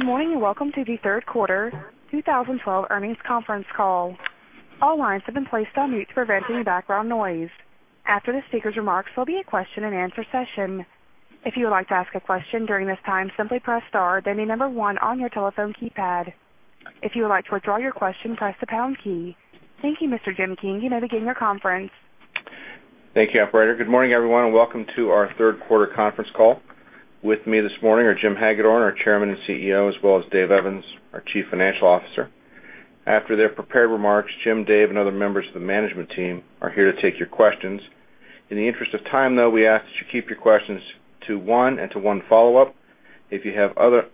Good morning, and welcome to the third quarter 2012 earnings conference call. All lines have been placed on mute to prevent any background noise. After the speakers' remarks, there'll be a question and answer session. If you would like to ask a question during this time, simply press star, then the number 1 on your telephone keypad. If you would like to withdraw your question, press the pound key. Thank you, Mr. Jim King. You may begin your conference. Thank you, operator. Good morning, everyone, and welcome to our third quarter conference call. With me this morning are Jim Hagedorn, our Chairman and CEO, as well as Dave Evans, our Chief Financial Officer. After their prepared remarks, Jim, Dave, and other members of the management team are here to take your questions. In the interest of time, though, we ask that you keep your questions to one and to one follow-up. If you have other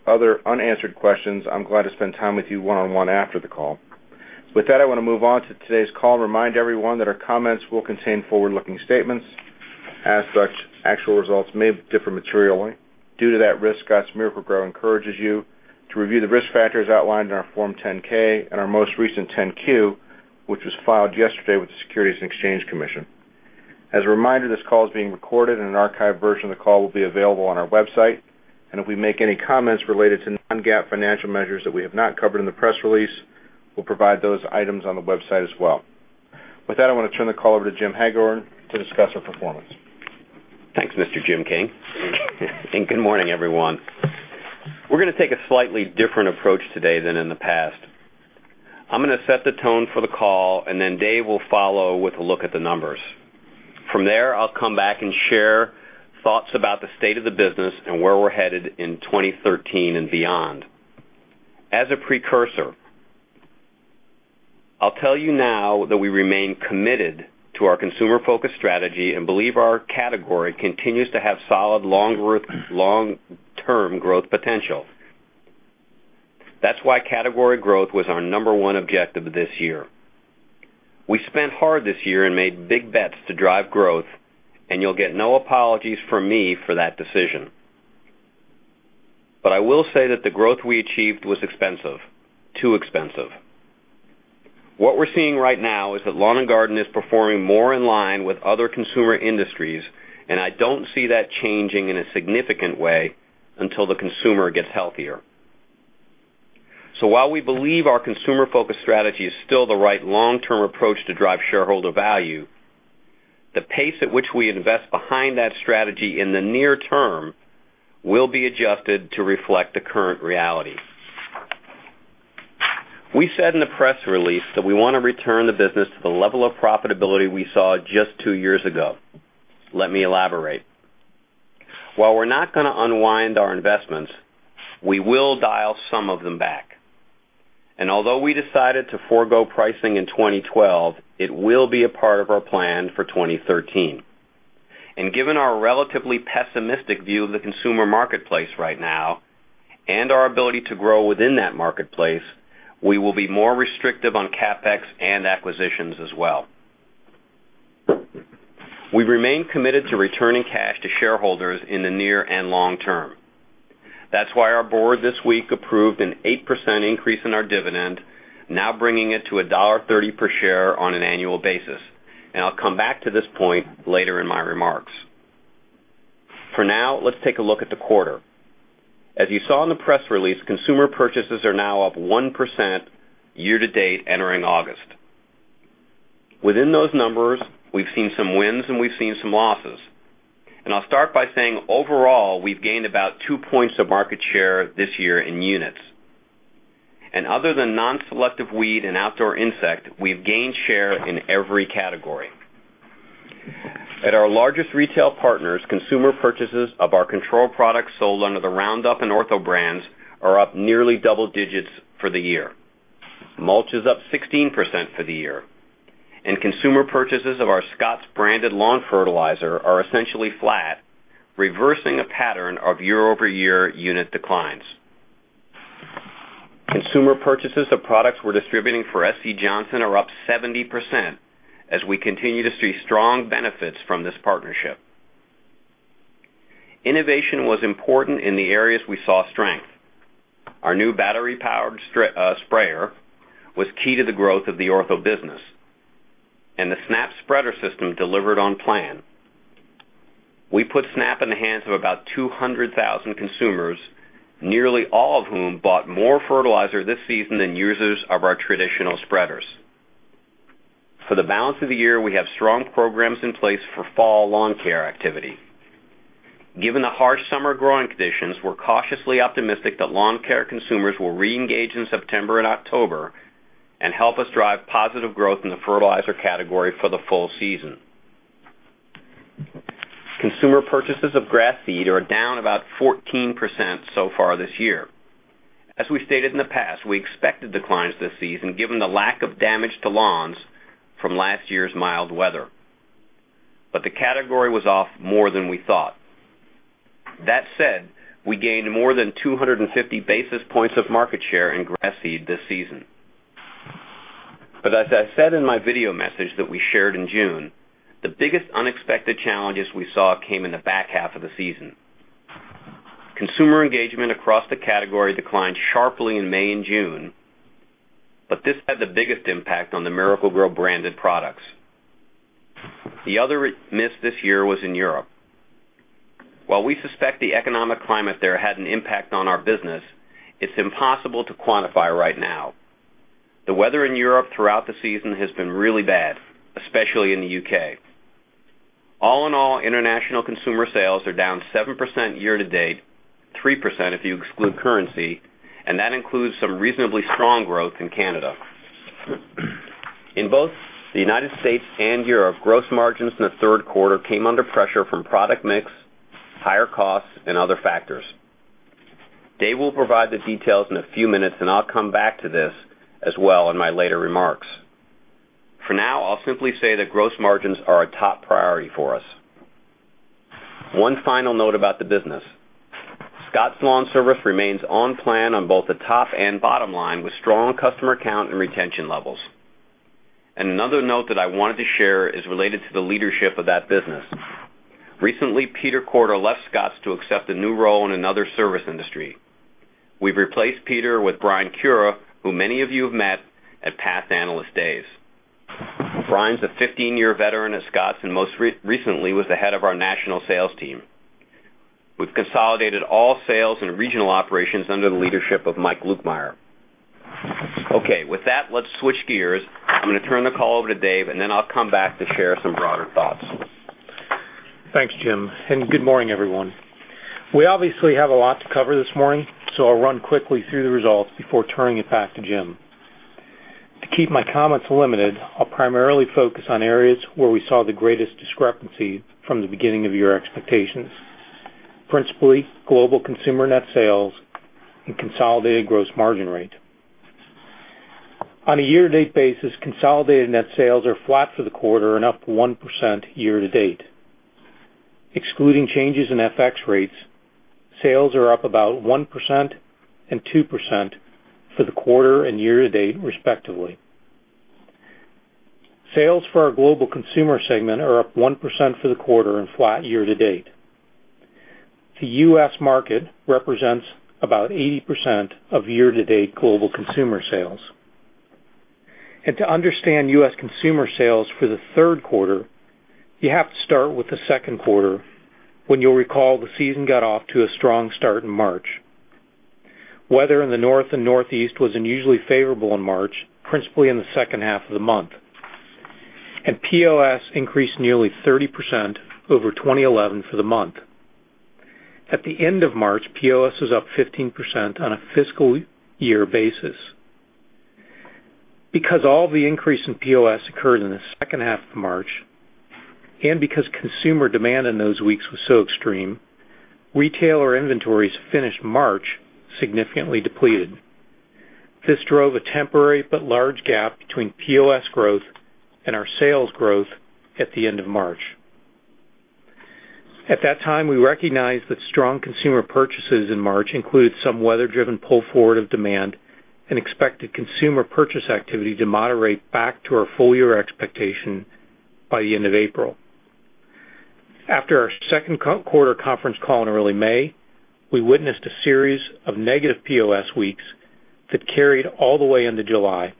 unanswered questions, I'm glad to spend time with you one-on-one after the call. With that, I want to move on to today's call and remind everyone that our comments will contain forward-looking statements. As such, actual results may differ materially. Due to that risk, Scotts Miracle-Gro encourages you to review the risk factors outlined in our Form 10-K and our most recent 10-Q, which was filed yesterday with the Securities and Exchange Commission. As a reminder, this call is being recorded, and an archived version of the call will be available on our website. If we make any comments related to non-GAAP financial measures that we have not covered in the press release, we'll provide those items on the website as well. With that, I want to turn the call over to Jim Hagedorn to discuss our performance. Thanks, Mr. Jim King. Good morning, everyone. We're going to take a slightly different approach today than in the past. I'm going to set the tone for the call, and then Dave will follow with a look at the numbers. From there, I'll come back and share thoughts about the state of the business and where we're headed in 2013 and beyond. As a precursor, I'll tell you now that we remain committed to our consumer-focused strategy and believe our category continues to have solid long-term growth potential. That's why category growth was our number 1 objective this year. We spent hard this year and made big bets to drive growth, and you'll get no apologies from me for that decision. I will say that the growth we achieved was expensive, too expensive. What we're seeing right now is that lawn and garden is performing more in line with other consumer industries, I don't see that changing in a significant way until the consumer gets healthier. While we believe our consumer-focused strategy is still the right long-term approach to drive shareholder value, the pace at which we invest behind that strategy in the near term will be adjusted to reflect the current reality. We said in the press release that we want to return the business to the level of profitability we saw just 2 years ago. Let me elaborate. While we're not going to unwind our investments, we will dial some of them back. Although we decided to forego pricing in 2012, it will be a part of our plan for 2013. Given our relatively pessimistic view of the consumer marketplace right now and our ability to grow within that marketplace, we will be more restrictive on CapEx and acquisitions as well. We remain committed to returning cash to shareholders in the near and long term. That's why our board this week approved an 8% increase in our dividend, now bringing it to $1.30 per share on an annual basis. I'll come back to this point later in my remarks. For now, let's take a look at the quarter. As you saw in the press release, consumer purchases are now up 1% year-to-date entering August. Within those numbers, we've seen some wins, and we've seen some losses. I'll start by saying, overall, we've gained about two points of market share this year in units. Other than non-selective weed and outdoor insect, we've gained share in every category. At our largest retail partners, consumer purchases of our control products sold under the Roundup and Ortho brands are up nearly double digits for the year. Mulch is up 16% for the year, consumer purchases of our Scotts-branded lawn fertilizer are essentially flat, reversing a pattern of year-over-year unit declines. Consumer purchases of products we're distributing for S.C. Johnson are up 70% as we continue to see strong benefits from this partnership. Innovation was important in the areas we saw strength. Our new battery-powered sprayer was key to the growth of the Ortho business, and the Snap spreader system delivered on plan. We put Snap in the hands of about 200,000 consumers, nearly all of whom bought more fertilizer this season than users of our traditional spreaders. For the balance of the year, we have strong programs in place for fall lawn care activity. Given the harsh summer growing conditions, we're cautiously optimistic that lawn care consumers will reengage in September and October and help us drive positive growth in the fertilizer category for the full season. Consumer purchases of grass seed are down about 14% so far this year. As we stated in the past, we expected declines this season given the lack of damage to lawns from last year's mild weather. The category was off more than we thought. That said, we gained more than 250 basis points of market share in grass seed this season. As I said in my video message that we shared in June, the biggest unexpected challenges we saw came in the back half of the season. Consumer engagement across the category declined sharply in May and June. This had the biggest impact on the Miracle-Gro branded products. The other miss this year was in Europe. While we suspect the economic climate there had an impact on our business, it is impossible to quantify right now. The weather in Europe throughout the season has been really bad, especially in the U.K. All in all, international consumer sales are down 7% year to date, 3% if you exclude currency, and that includes some reasonably strong growth in Canada. In both the United States and Europe, gross margins in the third quarter came under pressure from product mix, higher costs, and other factors. Dave will provide the details in a few minutes, and I will come back to this as well in my later remarks. For now, I will simply say that gross margins are a top priority for us. One final note about the business. Scotts LawnService remains on plan on both the top and bottom line, with strong customer count and retention levels. Another note that I wanted to share is related to the leadership of that business. Recently, Peter Korda left Scotts to accept a new role in another service industry. We have replaced Peter with Brian Kura, who many of you have met at past Analyst Days. Brian is a 15-year veteran of Scotts, and most recently was the head of our national sales team. We have consolidated all sales and regional operations under the leadership of Mike Lukemire. Okay. With that, let us switch gears. I am going to turn the call over to Dave, and then I will come back to share some broader thoughts. Thanks, Jim, and good morning, everyone. We obviously have a lot to cover this morning. I will run quickly through the results before turning it back to Jim. To keep my comments limited, I will primarily focus on areas where we saw the greatest discrepancy from the beginning of year expectations, principally global consumer net sales and consolidated gross margin rate. On a year-to-date basis, consolidated net sales are flat for the quarter and up 1% year to date. Excluding changes in FX rates, sales are up about 1% and 2% for the quarter and year to date, respectively. Sales for our global consumer segment are up 1% for the quarter and flat year to date. The U.S. market represents about 80% of year-to-date global consumer sales. To understand U.S. consumer sales for the third quarter, you have to start with the second quarter, when you will recall the season got off to a strong start in March. Weather in the north and northeast was unusually favorable in March, principally in the second half of the month, and POS increased nearly 30% over 2011 for the month. At the end of March, POS was up 15% on a fiscal year basis. Because all the increase in POS occurred in the second half of March, and because consumer demand in those weeks was so extreme, retailer inventories finished March significantly depleted. This drove a temporary but large gap between POS growth and our sales growth at the end of March. At that time, we recognized that strong consumer purchases in March included some weather-driven pull forward of demand and expected consumer purchase activity to moderate back to our full-year expectation by the end of April. After our second quarter conference call in early May, we witnessed a series of negative POS weeks that carried all the way into July.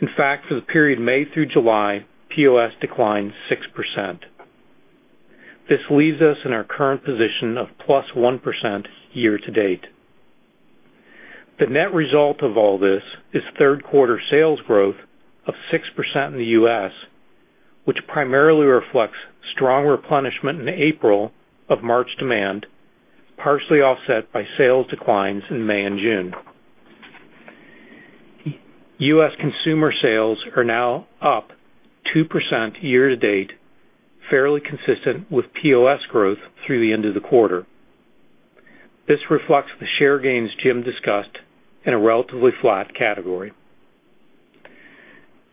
In fact, for the period May through July, POS declined 6%. This leaves us in our current position of plus 1% year to date. The net result of all this is third quarter sales growth of 6% in the U.S., which primarily reflects strong replenishment in April of March demand, partially offset by sales declines in May and June. U.S. consumer sales are now up 2% year to date, fairly consistent with POS growth through the end of the quarter. This reflects the share gains Jim discussed in a relatively flat category.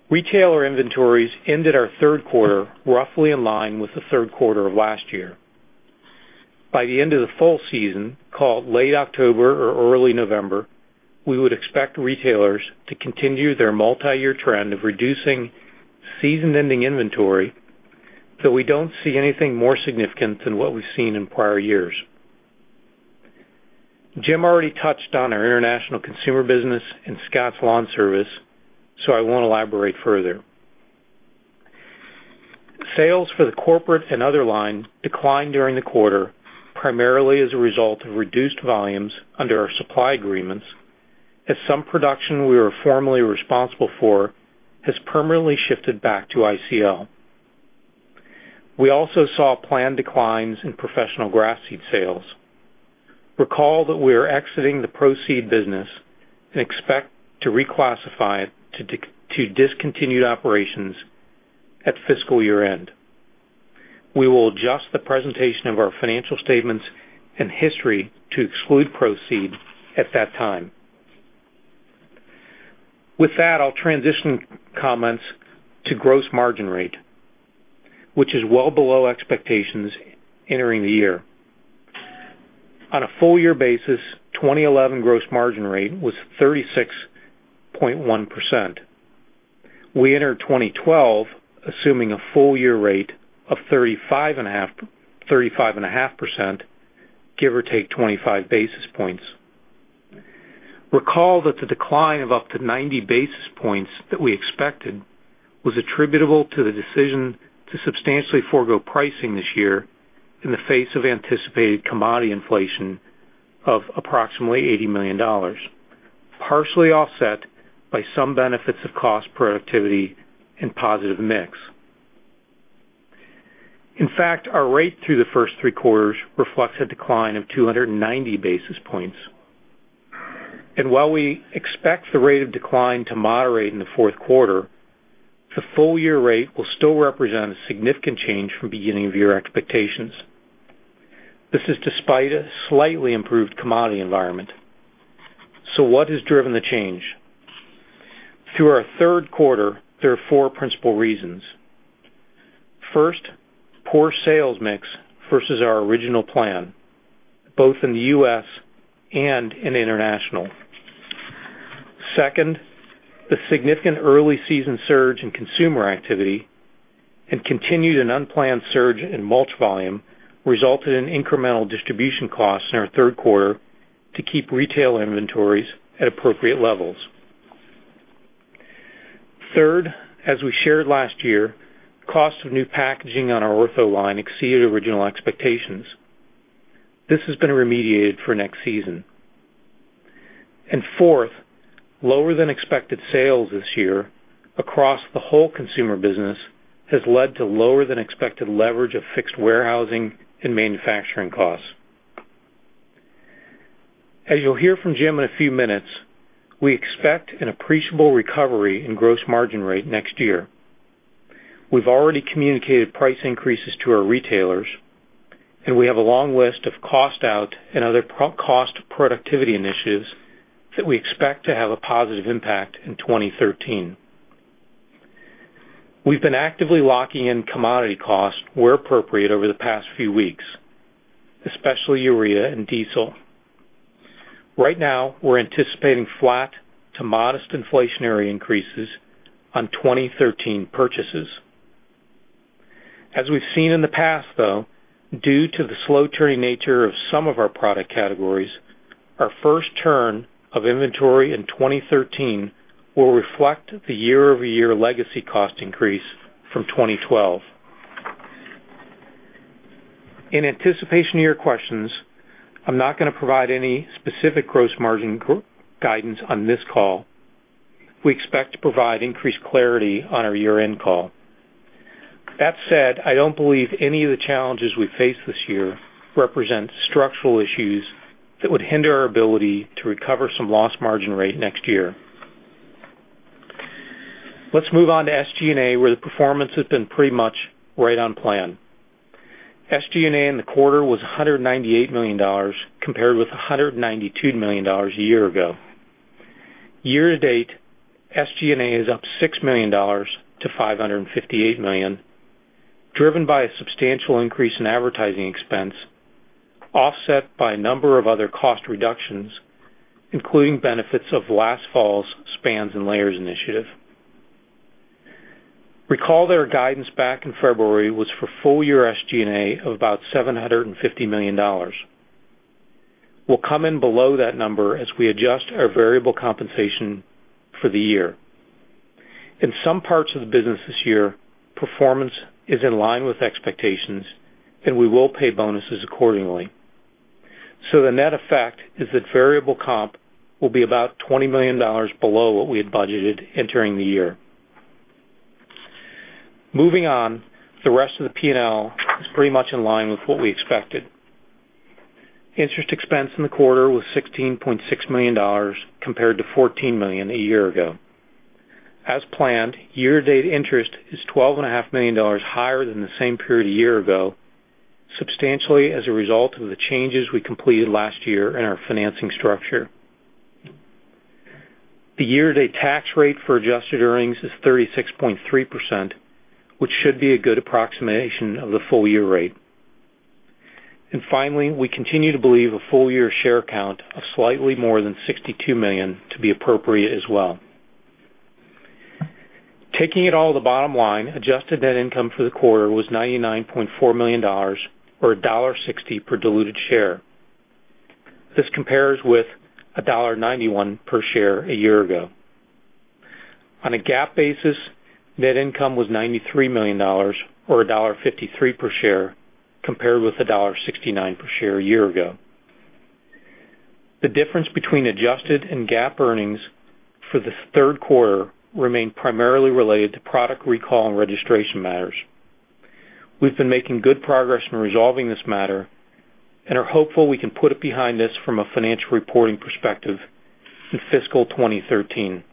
Retailer inventories ended our third quarter roughly in line with the third quarter of last year. By the end of the fall season, call it late October or early November, we would expect retailers to continue their multi-year trend of reducing season-ending inventory, though we don't see anything more significant than what we've seen in prior years. Jim already touched on our international consumer business and Scotts LawnService, so I won't elaborate further. Sales for the corporate and other line declined during the quarter, primarily as a result of reduced volumes under our supply agreements, as some production we were formerly responsible for has permanently shifted back to ICL. We also saw planned declines in professional grass seed sales. Recall that we are exiting the Pro Seed business and expect to reclassify it to discontinued operations at fiscal year-end. We will adjust the presentation of our financial statements and history to exclude Pro Seed at that time. With that, I'll transition comments to gross margin rate, which is well below expectations entering the year. On a full year basis, 2011 gross margin rate was 36.1%. We entered 2012 assuming a full year rate of 35.5%, give or take 25 basis points. Recall that the decline of up to 90 basis points that we expected was attributable to the decision to substantially forego pricing this year in the face of anticipated commodity inflation of approximately $80 million, partially offset by some benefits of cost productivity and positive mix. In fact, our rate through the first three quarters reflects a decline of 290 basis points. While we expect the rate of decline to moderate in the fourth quarter, the full-year rate will still represent a significant change from beginning of year expectations. This is despite a slightly improved commodity environment. What has driven the change? Through our third quarter, there are four principal reasons. First, poor sales mix versus our original plan, both in the U.S. and in international. Second, the significant early season surge in consumer activity and continued and unplanned surge in Mulch volume resulted in incremental distribution costs in our third quarter to keep retail inventories at appropriate levels. Third, as we shared last year, cost of new packaging on our Ortho line exceeded original expectations. This has been remediated for next season. Fourth, lower than expected sales this year across the whole consumer business has led to lower than expected leverage of fixed warehousing and manufacturing costs. As you'll hear from Jim in a few minutes, we expect an appreciable recovery in gross margin rate next year. We've already communicated price increases to our retailers, and we have a long list of cost out and other cost productivity initiatives that we expect to have a positive impact in 2013. We've been actively locking in commodity costs where appropriate over the past few weeks, especially urea and diesel. Right now, we're anticipating flat to modest inflationary increases on 2013 purchases. As we've seen in the past, though, due to the slow turning nature of some of our product categories, our first turn of inventory in 2013 will reflect the year-over-year legacy cost increase from 2012. In anticipation of your questions, I'm not going to provide any specific gross margin guidance on this call. We expect to provide increased clarity on our year-end call. I don't believe any of the challenges we face this year represent structural issues that would hinder our ability to recover some lost margin rate next year. Let's move on to SG&A, where the performance has been pretty much right on plan. SG&A in the quarter was $198 million, compared with $192 million a year ago. Year-to-date, SG&A is up $6 million to $558 million, driven by a substantial increase in advertising expense, offset by a number of other cost reductions, including benefits of last fall's Spans and Layers initiative. Recall that our guidance back in February was for full year SG&A of about $750 million. We'll come in below that number as we adjust our variable compensation for the year. In some parts of the business this year, performance is in line with expectations, and we will pay bonuses accordingly. The net effect is that variable comp will be about $20 million below what we had budgeted entering the year. Moving on, the rest of the P&L is pretty much in line with what we expected. Interest expense in the quarter was $16.6 million, compared to $14 million a year ago. As planned, year-to-date interest is $12.5 million higher than the same period a year ago, substantially as a result of the changes we completed last year in our financing structure. The year-to-date tax rate for adjusted earnings is 36.3%, which should be a good approximation of the full year rate. We continue to believe a full year share count of slightly more than 62 million to be appropriate as well. Taking it all to bottom line, adjusted net income for the quarter was $99.4 million, or $1.60 per diluted share. This compares with $1.91 per share a year ago. On a GAAP basis, net income was $93 million, or $1.53 per share, compared with $1.69 per share a year ago. The difference between adjusted and GAAP earnings for the third quarter remain primarily related to product recall and registration matters. We've been making good progress in resolving this matter and are hopeful we can put it behind us from a financial reporting perspective in fiscal 2013.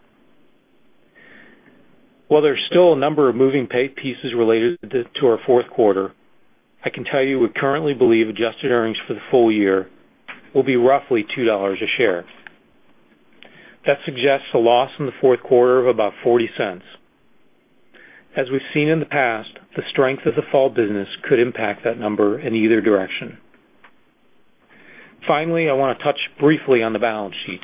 While there's still a number of moving pieces related to our fourth quarter, I can tell you we currently believe adjusted earnings for the full year will be roughly $2 a share. That suggests a loss in the fourth quarter of about $0.40. As we've seen in the past, the strength of the fall business could impact that number in either direction. I want to touch briefly on the balance sheet.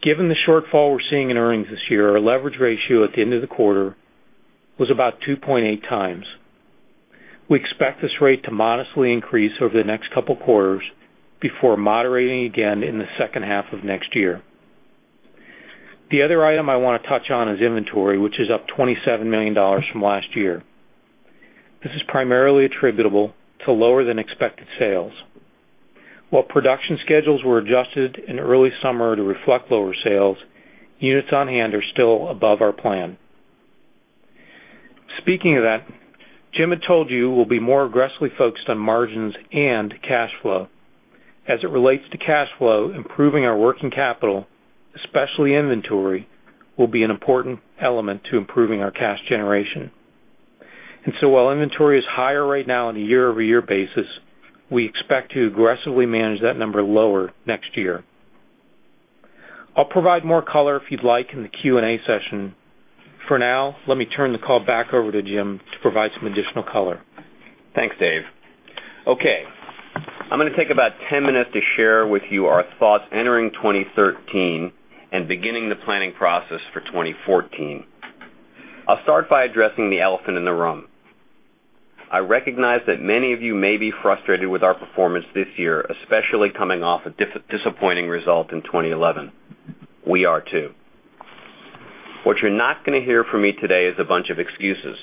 Given the shortfall we're seeing in earnings this year, our leverage ratio at the end of the quarter was about 2.8 times. We expect this rate to modestly increase over the next couple of quarters before moderating again in the second half of next year. The other item I want to touch on is inventory, which is up $27 million from last year. This is primarily attributable to lower-than-expected sales. While production schedules were adjusted in early summer to reflect lower sales, units on hand are still above our plan. Speaking of that, Jim had told you we'll be more aggressively focused on margins and cash flow. As it relates to cash flow, improving our working capital, especially inventory, will be an important element to improving our cash generation. While inventory is higher right now on a year-over-year basis, we expect to aggressively manage that number lower next year. I'll provide more color if you'd like in the Q&A session. For now, let me turn the call back over to Jim to provide some additional color. Thanks, Dave. Okay. I'm going to take about 10 minutes to share with you our thoughts entering 2013 and beginning the planning process for 2014. I'll start by addressing the elephant in the room. I recognize that many of you may be frustrated with our performance this year, especially coming off a disappointing result in 2011. We are, too. What you're not going to hear from me today is a bunch of excuses.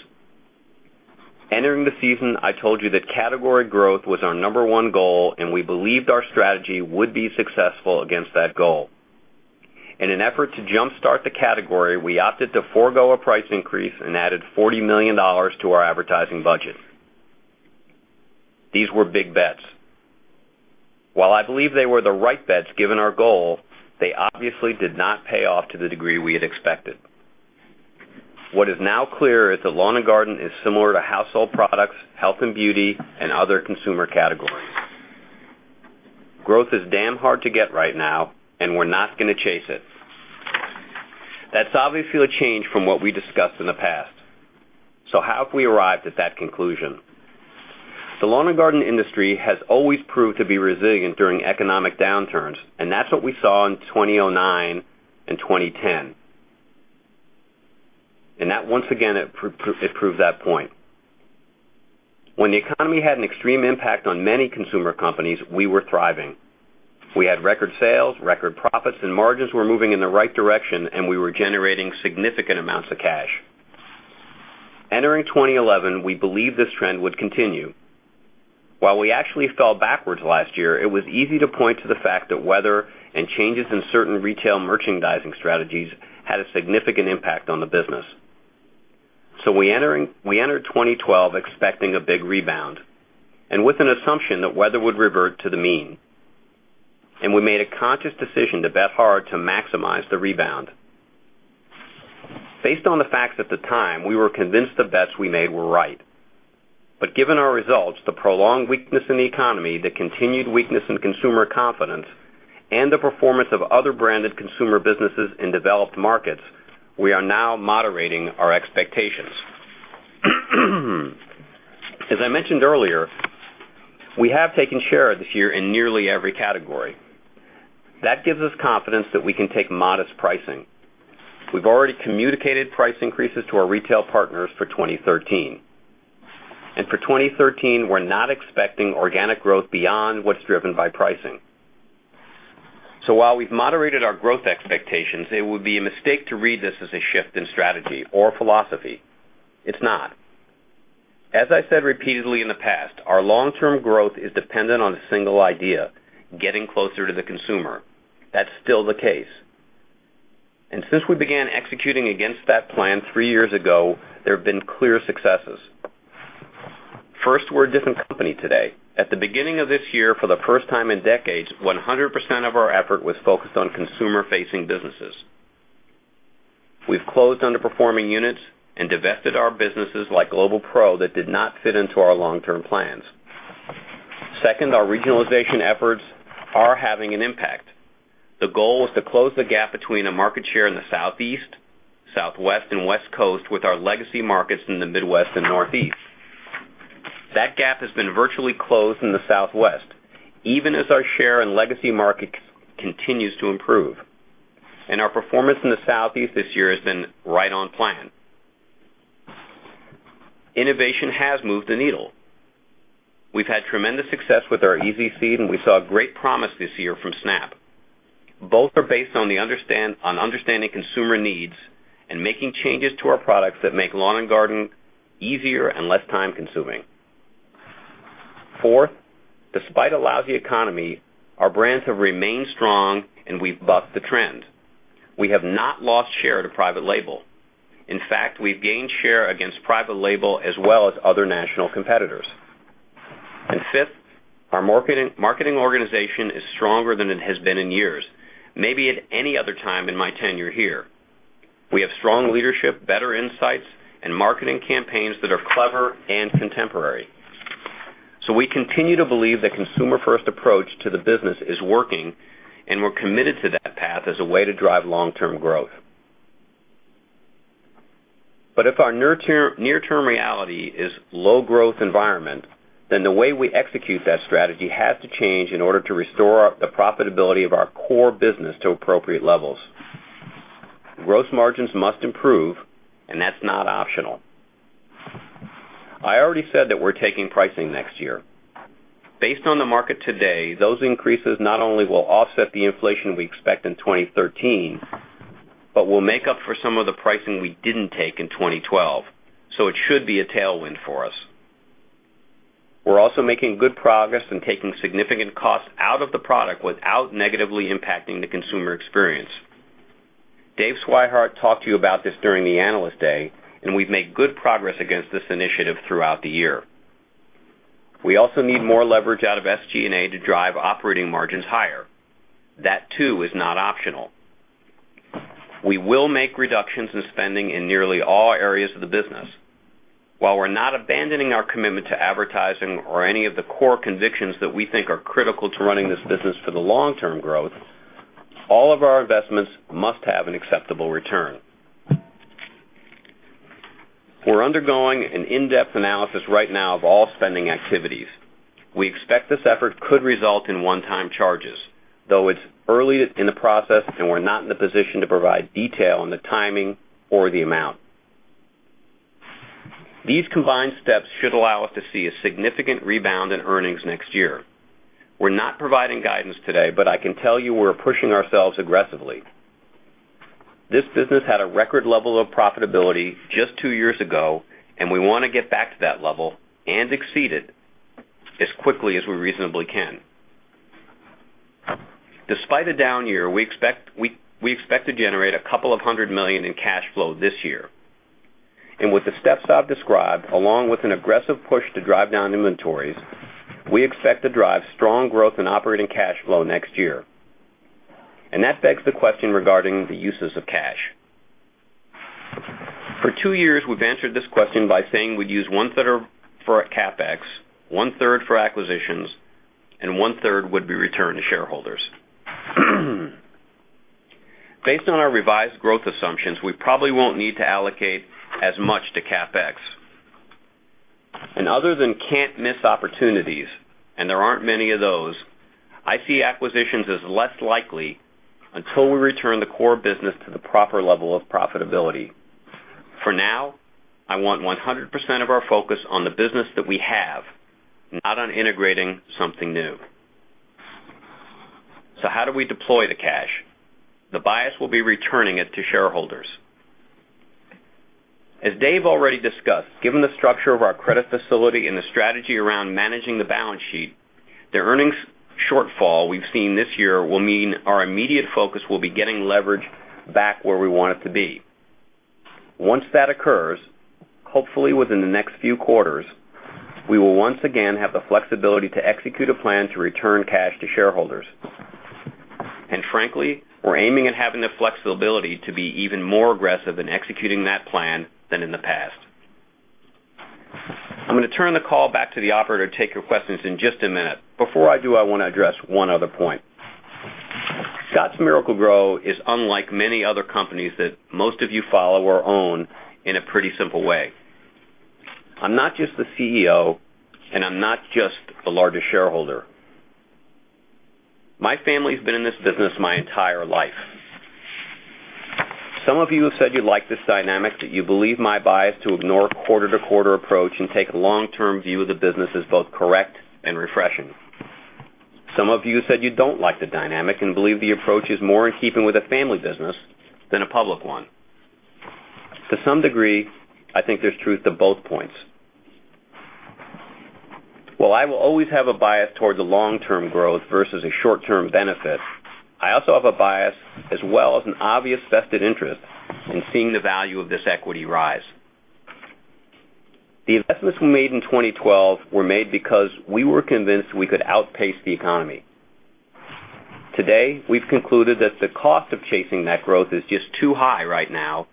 Entering the season, I told you that category growth was our number 1 goal, and we believed our strategy would be successful against that goal. In an effort to jumpstart the category, we opted to forego a price increase and added $40 million to our advertising budget. These were big bets. While I believe they were the right bets given our goal, they obviously did not pay off to the degree we had expected. What is now clear is that lawn and garden is similar to household products, health and beauty, and other consumer categories. Growth is damn hard to get right now, and we're not going to chase it. That's obviously a change from what we discussed in the past. How have we arrived at that conclusion? The lawn and garden industry has always proved to be resilient during economic downturns, and that's what we saw in 2009 and 2010. That, once again, it proved that point. When the economy had an extreme impact on many consumer companies, we were thriving. We had record sales, record profits, and margins were moving in the right direction, and we were generating significant amounts of cash. Entering 2011, we believed this trend would continue. While we actually fell backwards last year, it was easy to point to the fact that weather and changes in certain retail merchandising strategies had a significant impact on the business. We entered 2012 expecting a big rebound and with an assumption that weather would revert to the mean, we made a conscious decision to bet hard to maximize the rebound. Based on the facts at the time, we were convinced the bets we made were right. Given our results, the prolonged weakness in the economy, the continued weakness in consumer confidence, and the performance of other branded consumer businesses in developed markets, we are now moderating our expectations. As I mentioned earlier, we have taken share this year in nearly every category. That gives us confidence that we can take modest pricing. We've already communicated price increases to our retail partners for 2013. For 2013, we're not expecting organic growth beyond what's driven by pricing. While we've moderated our growth expectations, it would be a mistake to read this as a shift in strategy or philosophy. It's not. As I said repeatedly in the past, our long-term growth is dependent on a single idea, getting closer to the consumer. That's still the case. Since we began executing against that plan 3 years ago, there have been clear successes. First, we're a different company today. At the beginning of this year, for the first time in decades, 100% of our effort was focused on consumer-facing businesses. We've closed underperforming units and divested our businesses like Global Pro that did not fit into our long-term plans. Second, our regionalization efforts are having an impact. The goal was to close the gap between a market share in the Southeast, Southwest, and West Coast with our legacy markets in the Midwest and Northeast. That gap has been virtually closed in the Southwest, even as our share in legacy markets continues to improve. Our performance in the Southeast this year has been right on plan. Innovation has moved the needle. We've had tremendous success with our EZ Seed, and we saw great promise this year from Snap. Both are based on understanding consumer needs and making changes to our products that make lawn and garden easier and less time-consuming. Fourth, despite a lousy economy, our brands have remained strong and we've bucked the trend. We have not lost share to private label. In fact, we've gained share against private label as well as other national competitors. Fifth, our marketing organization is stronger than it has been in years, maybe at any other time in my tenure here. We have strong leadership, better insights, and marketing campaigns that are clever and contemporary. We continue to believe the consumer-first approach to the business is working, we're committed to that path as a way to drive long-term growth. If our near-term reality is low growth environment, the way we execute that strategy has to change in order to restore the profitability of our core business to appropriate levels. Gross margins must improve, that's not optional. I already said that we're taking pricing next year. Based on the market today, those increases not only will offset the inflation we expect in 2013, but will make up for some of the pricing we didn't take in 2012. It should be a tailwind for us. We're also making good progress in taking significant costs out of the product without negatively impacting the consumer experience. Dave Swihart talked to you about this during the Analyst Day, and we've made good progress against this initiative throughout the year. We also need more leverage out of SG&A to drive operating margins higher. That too is not optional. We will make reductions in spending in nearly all areas of the business. While we're not abandoning our commitment to advertising or any of the core convictions that we think are critical to running this business for the long-term growth, all of our investments must have an acceptable return. We're undergoing an in-depth analysis right now of all spending activities. We expect this effort could result in one-time charges, though it's early in the process and we're not in the position to provide detail on the timing or the amount. These combined steps should allow us to see a significant rebound in earnings next year. We're not providing guidance today, but I can tell you we're pushing ourselves aggressively. This business had a record level of profitability just two years ago, and we want to get back to that level and exceed it as quickly as we reasonably can. Despite a down year, we expect to generate a couple of hundred million USD in cash flow this year. With the steps I've described, along with an aggressive push to drive down inventories, we expect to drive strong growth in operating cash flow next year. That begs the question regarding the uses of cash. For two years, we've answered this question by saying we'd use one-third for CapEx, one-third for acquisitions, and one-third would be returned to shareholders. Based on our revised growth assumptions, we probably won't need to allocate as much to CapEx. Other than can't-miss opportunities, and there aren't many of those, I see acquisitions as less likely until we return the core business to the proper level of profitability. For now, I want 100% of our focus on the business that we have, not on integrating something new. How do we deploy the cash? The bias will be returning it to shareholders. As Dave already discussed, given the structure of our credit facility and the strategy around managing the balance sheet, the earnings shortfall we've seen this year will mean our immediate focus will be getting leverage back where we want it to be. Once that occurs, hopefully within the next few quarters, we will once again have the flexibility to execute a plan to return cash to shareholders. Frankly, we're aiming at having the flexibility to be even more aggressive in executing that plan than in the past. I'm going to turn the call back to the operator to take your questions in just a minute. Before I do, I want to address one other point. Scotts Miracle-Gro is unlike many other companies that most of you follow or own in a pretty simple way. I'm not just the CEO, and I'm not just the largest shareholder. My family's been in this business my entire life. Some of you have said you like this dynamic, that you believe my bias to ignore a quarter-to-quarter approach and take a long-term view of the business is both correct and refreshing. Some of you have said you don't like the dynamic and believe the approach is more in keeping with a family business than a public one. To some degree, I think there's truth to both points. While I will always have a bias towards a long-term growth versus a short-term benefit, I also have a bias as well as an obvious vested interest in seeing the value of this equity rise. The investments we made in 2012 were made because we were convinced we could outpace the economy. Today, we've concluded that the cost of chasing that growth is just too high right now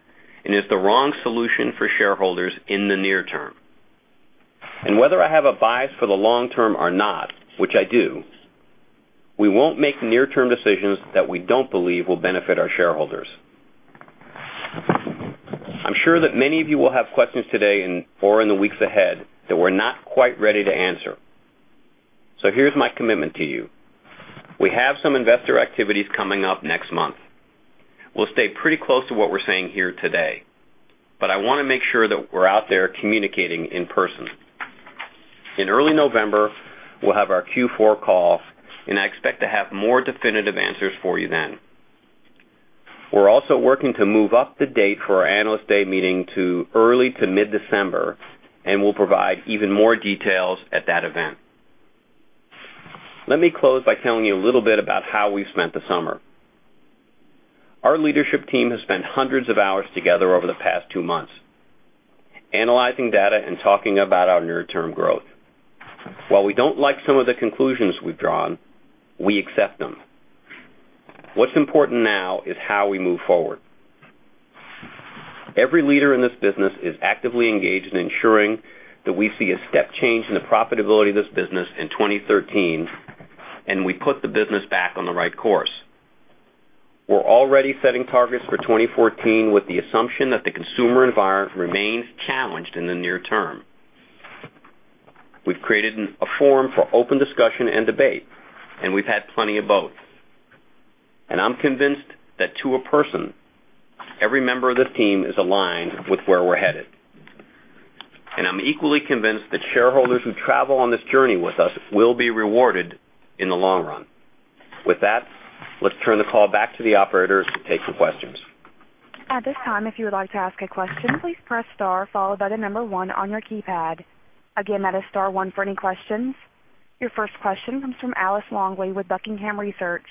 and is the wrong solution for shareholders in the near term. Whether I have a bias for the long term or not, which I do, we won't make near-term decisions that we don't believe will benefit our shareholders. I'm sure that many of you will have questions today or in the weeks ahead that we're not quite ready to answer. Here's my commitment to you. We have some investor activities coming up next month. We'll stay pretty close to what we're saying here today, but I want to make sure that we're out there communicating in person. In early November, we'll have our Q4 call, and I expect to have more definitive answers for you then. We're also working to move up the date for our Analyst Day meeting to early to mid-December, and we'll provide even more details at that event. Let me close by telling you a little bit about how we've spent the summer. Our leadership team has spent hundreds of hours together over the past two months analyzing data and talking about our near-term growth. While we don't like some of the conclusions we've drawn, we accept them. What's important now is how we move forward. Every leader in this business is actively engaged in ensuring that we see a step change in the profitability of this business in 2013, and we put the business back on the right course. We're already setting targets for 2014 with the assumption that the consumer environment remains challenged in the near term. We've created a forum for open discussion and debate, and we've had plenty of both. I'm convinced that to a person, every member of this team is aligned with where we're headed. I'm equally convinced that shareholders who travel on this journey with us will be rewarded in the long run. With that, let's turn the call back to the operators to take some questions. At this time, if you would like to ask a question, please press star followed by the number one on your keypad. Again, that is star one for any questions. Your first question comes from Alice Longley with Buckingham Research.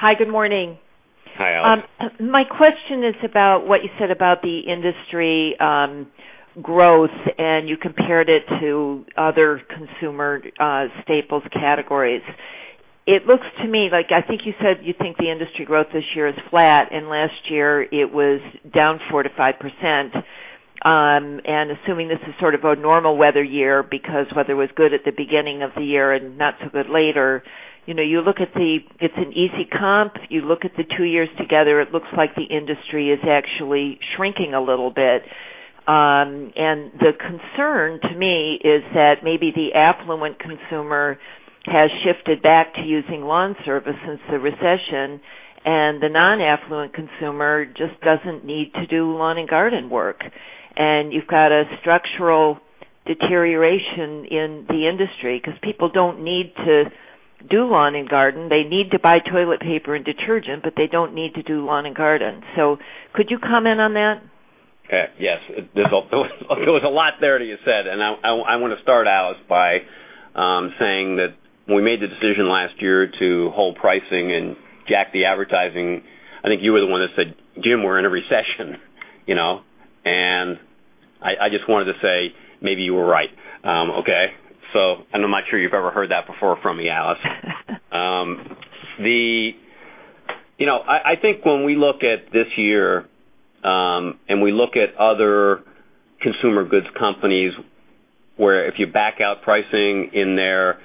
Hi, good morning. Hi, Alice. My question is about what you said about the industry growth. You compared it to other consumer staples categories. It looks to me like, I think you said you think the industry growth this year is flat, and last year it was down 4%-5%. Assuming this is sort of a normal weather year, because weather was good at the beginning of the year and not so good later. It's an easy comp. You look at the two years together, it looks like the industry is actually shrinking a little bit. The concern to me is that maybe the affluent consumer has shifted back to using lawn service since the recession, and the non-affluent consumer just doesn't need to do lawn and garden work. You've got a structural deterioration in the industry because people don't need to do lawn and garden. They need to buy toilet paper and detergent, they don't need to do lawn and garden. Could you comment on that? Okay. Yes. There was a lot there that you said. I want to start, Alice Longley, by saying that when we made the decision last year to hold pricing and jack the advertising, I think you were the one that said, "Jim, we're in a recession." I just wanted to say, maybe you were right. Okay. I'm not sure you've ever heard that before from me, Alice Longley. I think when we look at this year, and we look at other consumer goods companies, where if you back out pricing in there,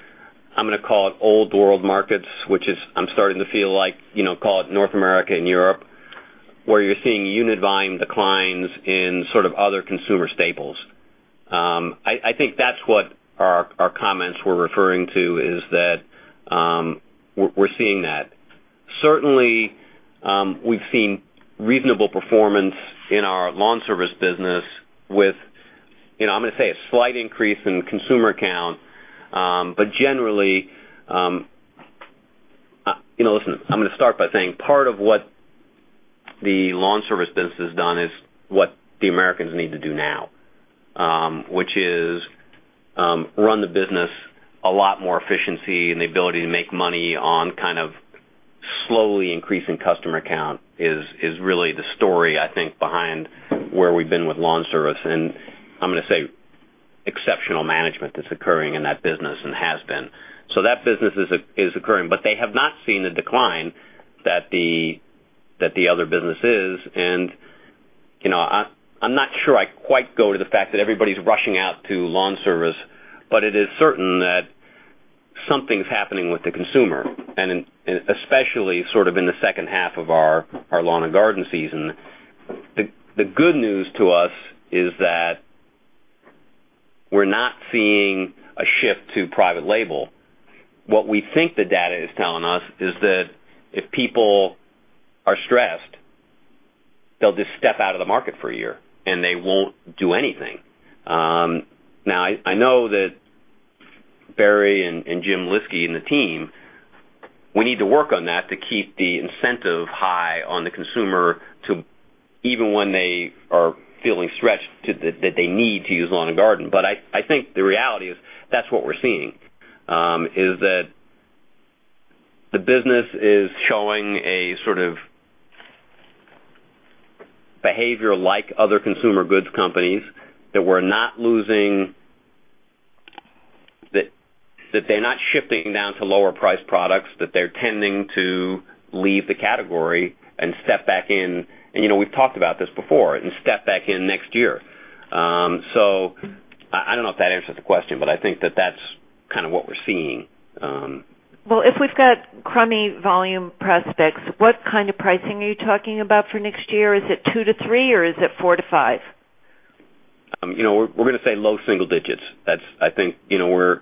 I'm going to call it old world markets, which is I'm starting to feel like, call it North America and Europe, where you're seeing unit volume declines in sort of other consumer staples. I think that's what our comments we're referring to is that we're seeing that. Certainly, we've seen reasonable performance in our Scotts LawnService business with, I'm going to say a slight increase in consumer count. Generally, listen, I'm going to start by saying part of what the Scotts LawnService business has done is what the Americans need to do now, which is run the business a lot more efficiency and the ability to make money on kind of slowly increasing customer count is really the story I think behind where we've been with Scotts LawnService, and I'm going to say exceptional management that's occurring in that business and has been. That business is occurring, but they have not seen the decline that the other business is. I'm not sure I quite go to the fact that everybody's rushing out to Scotts LawnService, but it is certain that something's happening with the consumer, and especially sort of in the second half of our lawn and garden season. The good news to us is that we're not seeing a shift to private label. What we think the data is telling us is that if people are stressed, they'll just step out of the market for a year, and they won't do anything. Now, I know that Barry and Jim Lyski and the team, we need to work on that to keep the incentive high on the consumer to even when they are feeling stretched, that they need to use lawn and garden. I think the reality is that's what we're seeing, is that the business is showing a sort of behavior like other consumer goods companies, that they're not shifting down to lower priced products, that they're tending to leave the category and step back in. We've talked about this before, and step back in next year. I don't know if that answers the question, but I think that that's kind of what we're seeing. Well, if we've got crummy volume prospects, what kind of pricing are you talking about for next year? Is it two to three, or is it four to five? We're going to say low single digits. I think we're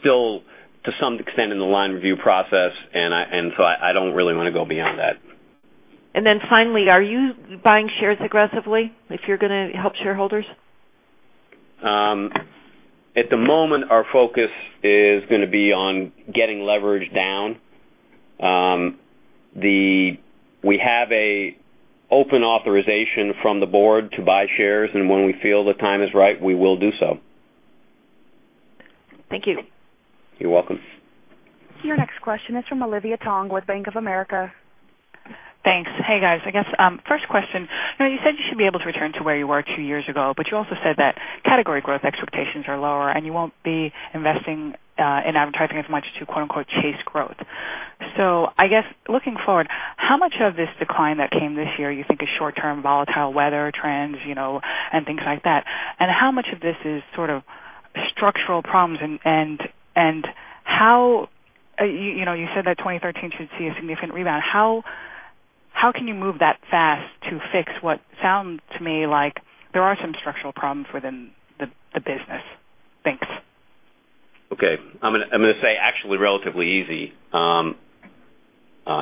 still to some extent in the line review process, and so I don't really want to go beyond that. Finally, are you buying shares aggressively if you're going to help shareholders? At the moment, our focus is going to be on getting leverage down. We have an open authorization from the Board to buy shares, and when we feel the time is right, we will do so. Thank you. You're welcome. Your next question is from Olivia Tong with Bank of America. Thanks. Hey, guys. I guess, first question, you said you should be able to return to where you were two years ago, but you also said that category growth expectations are lower, and you won't be investing in advertising as much to quote unquote "chase growth." I guess looking forward, how much of this decline that came this year you think is short-term volatile weather trends and things like that? How much of this is sort of structural problems? You said that 2013 should see a significant rebound. How can you move that fast to fix what sounds to me like there are some structural problems within the business? Thanks. Okay. I'm going to say, actually, relatively easy.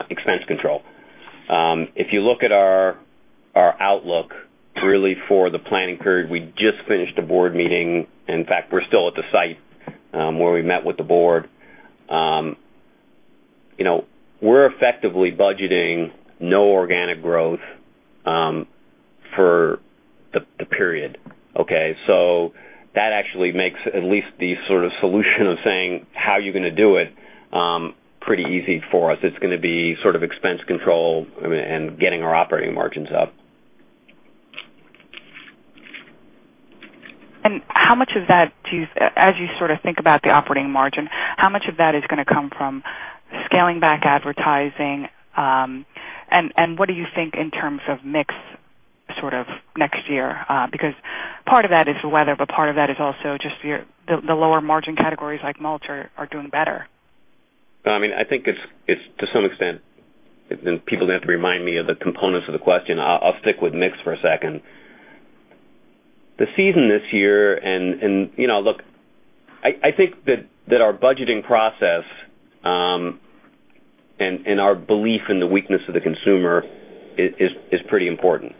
Expense control. If you look at our outlook, really for the planning period, we just finished a board meeting. In fact, we're still at the site where we met with the board. We're effectively budgeting no organic growth for the period. Okay? That actually makes at least the sort of solution of saying how you're going to do it pretty easy for us. It's going to be expense control and getting our operating margins up. As you think about the operating margin, how much of that is going to come from scaling back advertising? What do you think in terms of mix next year? Part of that is the weather, but part of that is also just the lower margin categories like mulch are doing better. I think it's to some extent, people don't have to remind me of the components of the question. I'll stick with mix for a second. The season this year, look, I think that our budgeting process and our belief in the weakness of the consumer is pretty important.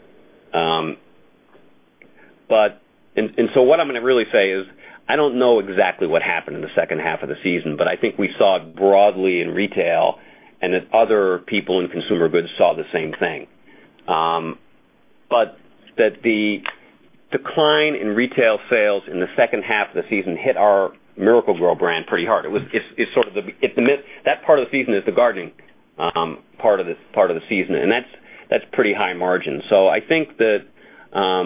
What I'm going to really say is, I don't know exactly what happened in the second half of the season, but I think we saw it broadly in retail and that other people in consumer goods saw the same thing. That the decline in retail sales in the second half of the season hit our Miracle-Gro brand pretty hard. That part of the season is the gardening part of the season, and that's pretty high margin. I think that at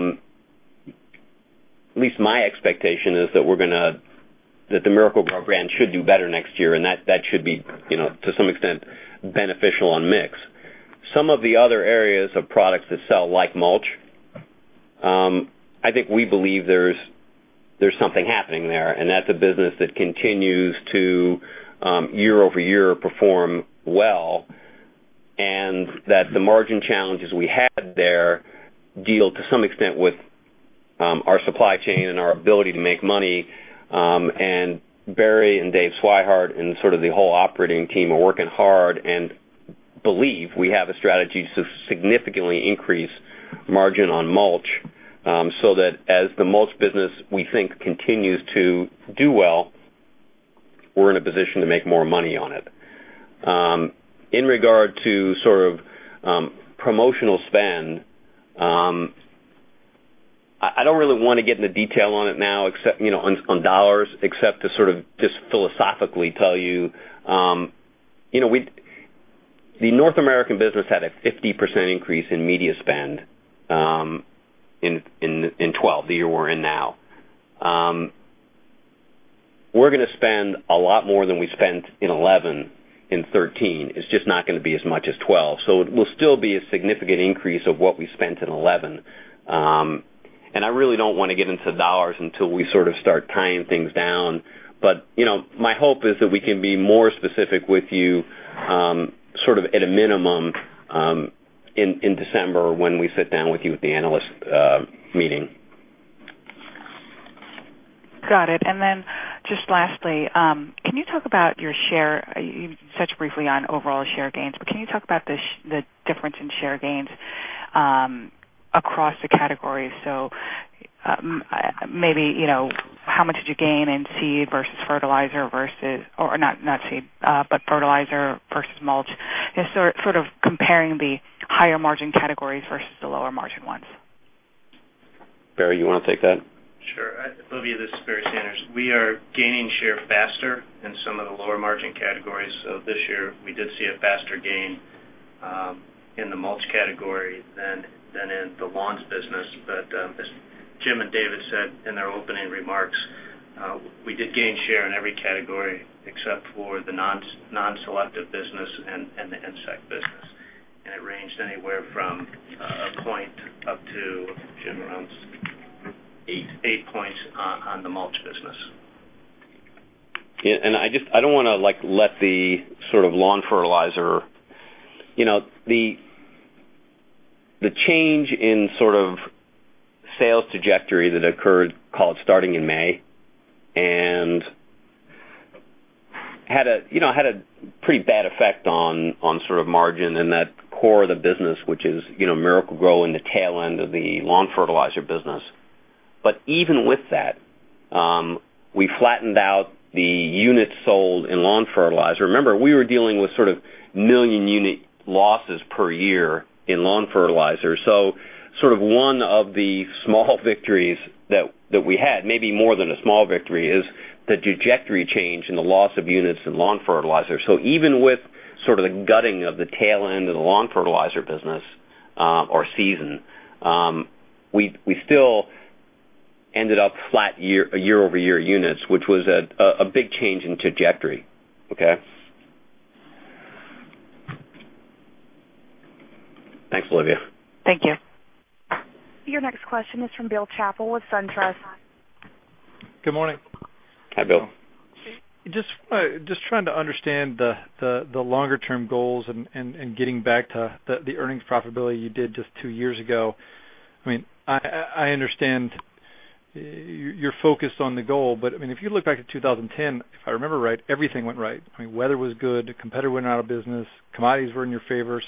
least my expectation is that the Miracle-Gro brand should do better next year, and that should be, to some extent, beneficial on mix. Some of the other areas of products that sell, like mulch, I think we believe there's something happening there, and that's a business that continues to year-over-year perform well, and that the margin challenges we had there deal to some extent with our supply chain and our ability to make money. Barry and Dave Swihart and sort of the whole operating team are working hard and believe we have a strategy to significantly increase margin on mulch, so that as the mulch business, we think, continues to do well, we're in a position to make more money on it. In regard to promotional spend, I don't really want to get into detail on it now on dollars except to sort of just philosophically tell you. The North American business had a 50% increase in media spend in 2012, the year we're in now. We're going to spend a lot more than we spent in 2011, in 2013. It's just not going to be as much as 2012. It will still be a significant increase of what we spent in 2011. I really don't want to get into dollars until we sort of start tying things down. My hope is that we can be more specific with you at a minimum in December when we sit down with you at the analyst meeting. Got it. Then just lastly, can you talk about your share? You touched briefly on overall share gains, but can you talk about the difference in share gains across the categories? Maybe how much did you gain in seed versus fertilizer versus not seed, but fertilizer versus mulch, and sort of comparing the higher margin categories versus the lower margin ones. Barry, you want to take that? Sure. Olivia, this is Barry Sanders. We are gaining share faster in some of the lower margin categories. This year we did see a faster gain in the mulch category than in the lawns business. As Jim and David said in their opening remarks, we did gain share in every category except for the non-selective business and the insect business. It ranged anywhere from a point up to, Jim, around eight points on the mulch business. I don't want to let the sort of lawn fertilizer, the change in sort of sales trajectory that occurred, call it starting in May, and had a pretty bad effect on margin in that core of the business, which is Miracle-Gro in the tail end of the lawn fertilizer business. Even with that, we flattened out the units sold in lawn fertilizer. Remember, we were dealing with sort of million-unit losses per year in lawn fertilizer. Sort of one of the small victories that we had, maybe more than a small victory, is the trajectory change in the loss of units in lawn fertilizer. Even with sort of the gutting of the tail end of the lawn fertilizer business or season, we still ended up flat year-over-year units, which was a big change in trajectory. Okay? Thanks, Olivia. Thank you. Your next question is from Bill Chappell with SunTrust. Good morning. Hi, Bill. Just trying to understand the longer-term goals and getting back to the earnings profitability you did just two years ago. I understand you're focused on the goal, but if you look back at 2010, if I remember right, everything went right. Weather was good, a competitor went out of business, commodities were in your favor.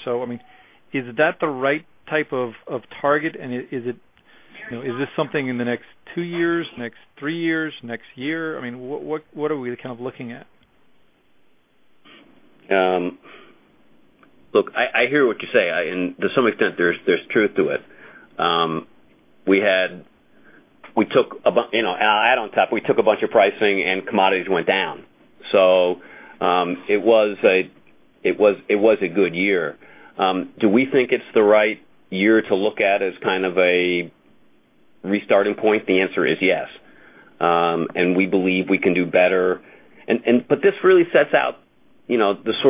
Is that the right type of target? Is this something in the next two years, next three years, next year? What are we looking at? Look, I hear what you say, and to some extent, there's truth to it. To add on top, we took a bunch of pricing, and commodities went down. It was a good year. Do we think it's the right year to look at as kind of a restarting point? The answer is yes. We believe we can do better. This really sets out the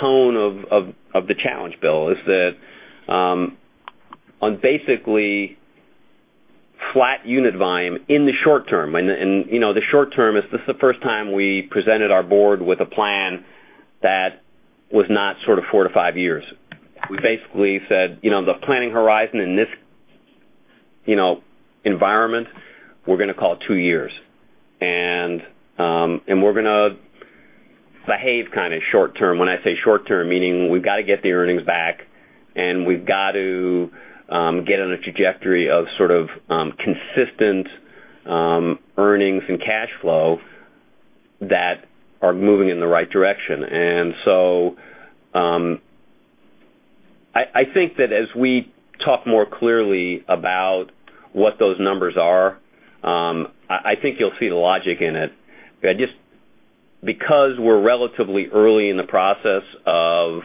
tone of the challenge, Bill, is that on basically flat unit volume in the short term, and the short term, this is the first time we presented our board with a plan that was not four to five years. We basically said the planning horizon in this environment, we're going to call it two years. We're going to behave short term. When I say short term, meaning we've got to get the earnings back, and we've got to get on a trajectory of sort of consistent earnings and cash flow that are moving in the right direction. I think that as we talk more clearly about what those numbers are, I think you'll see the logic in it. We're relatively early in the process of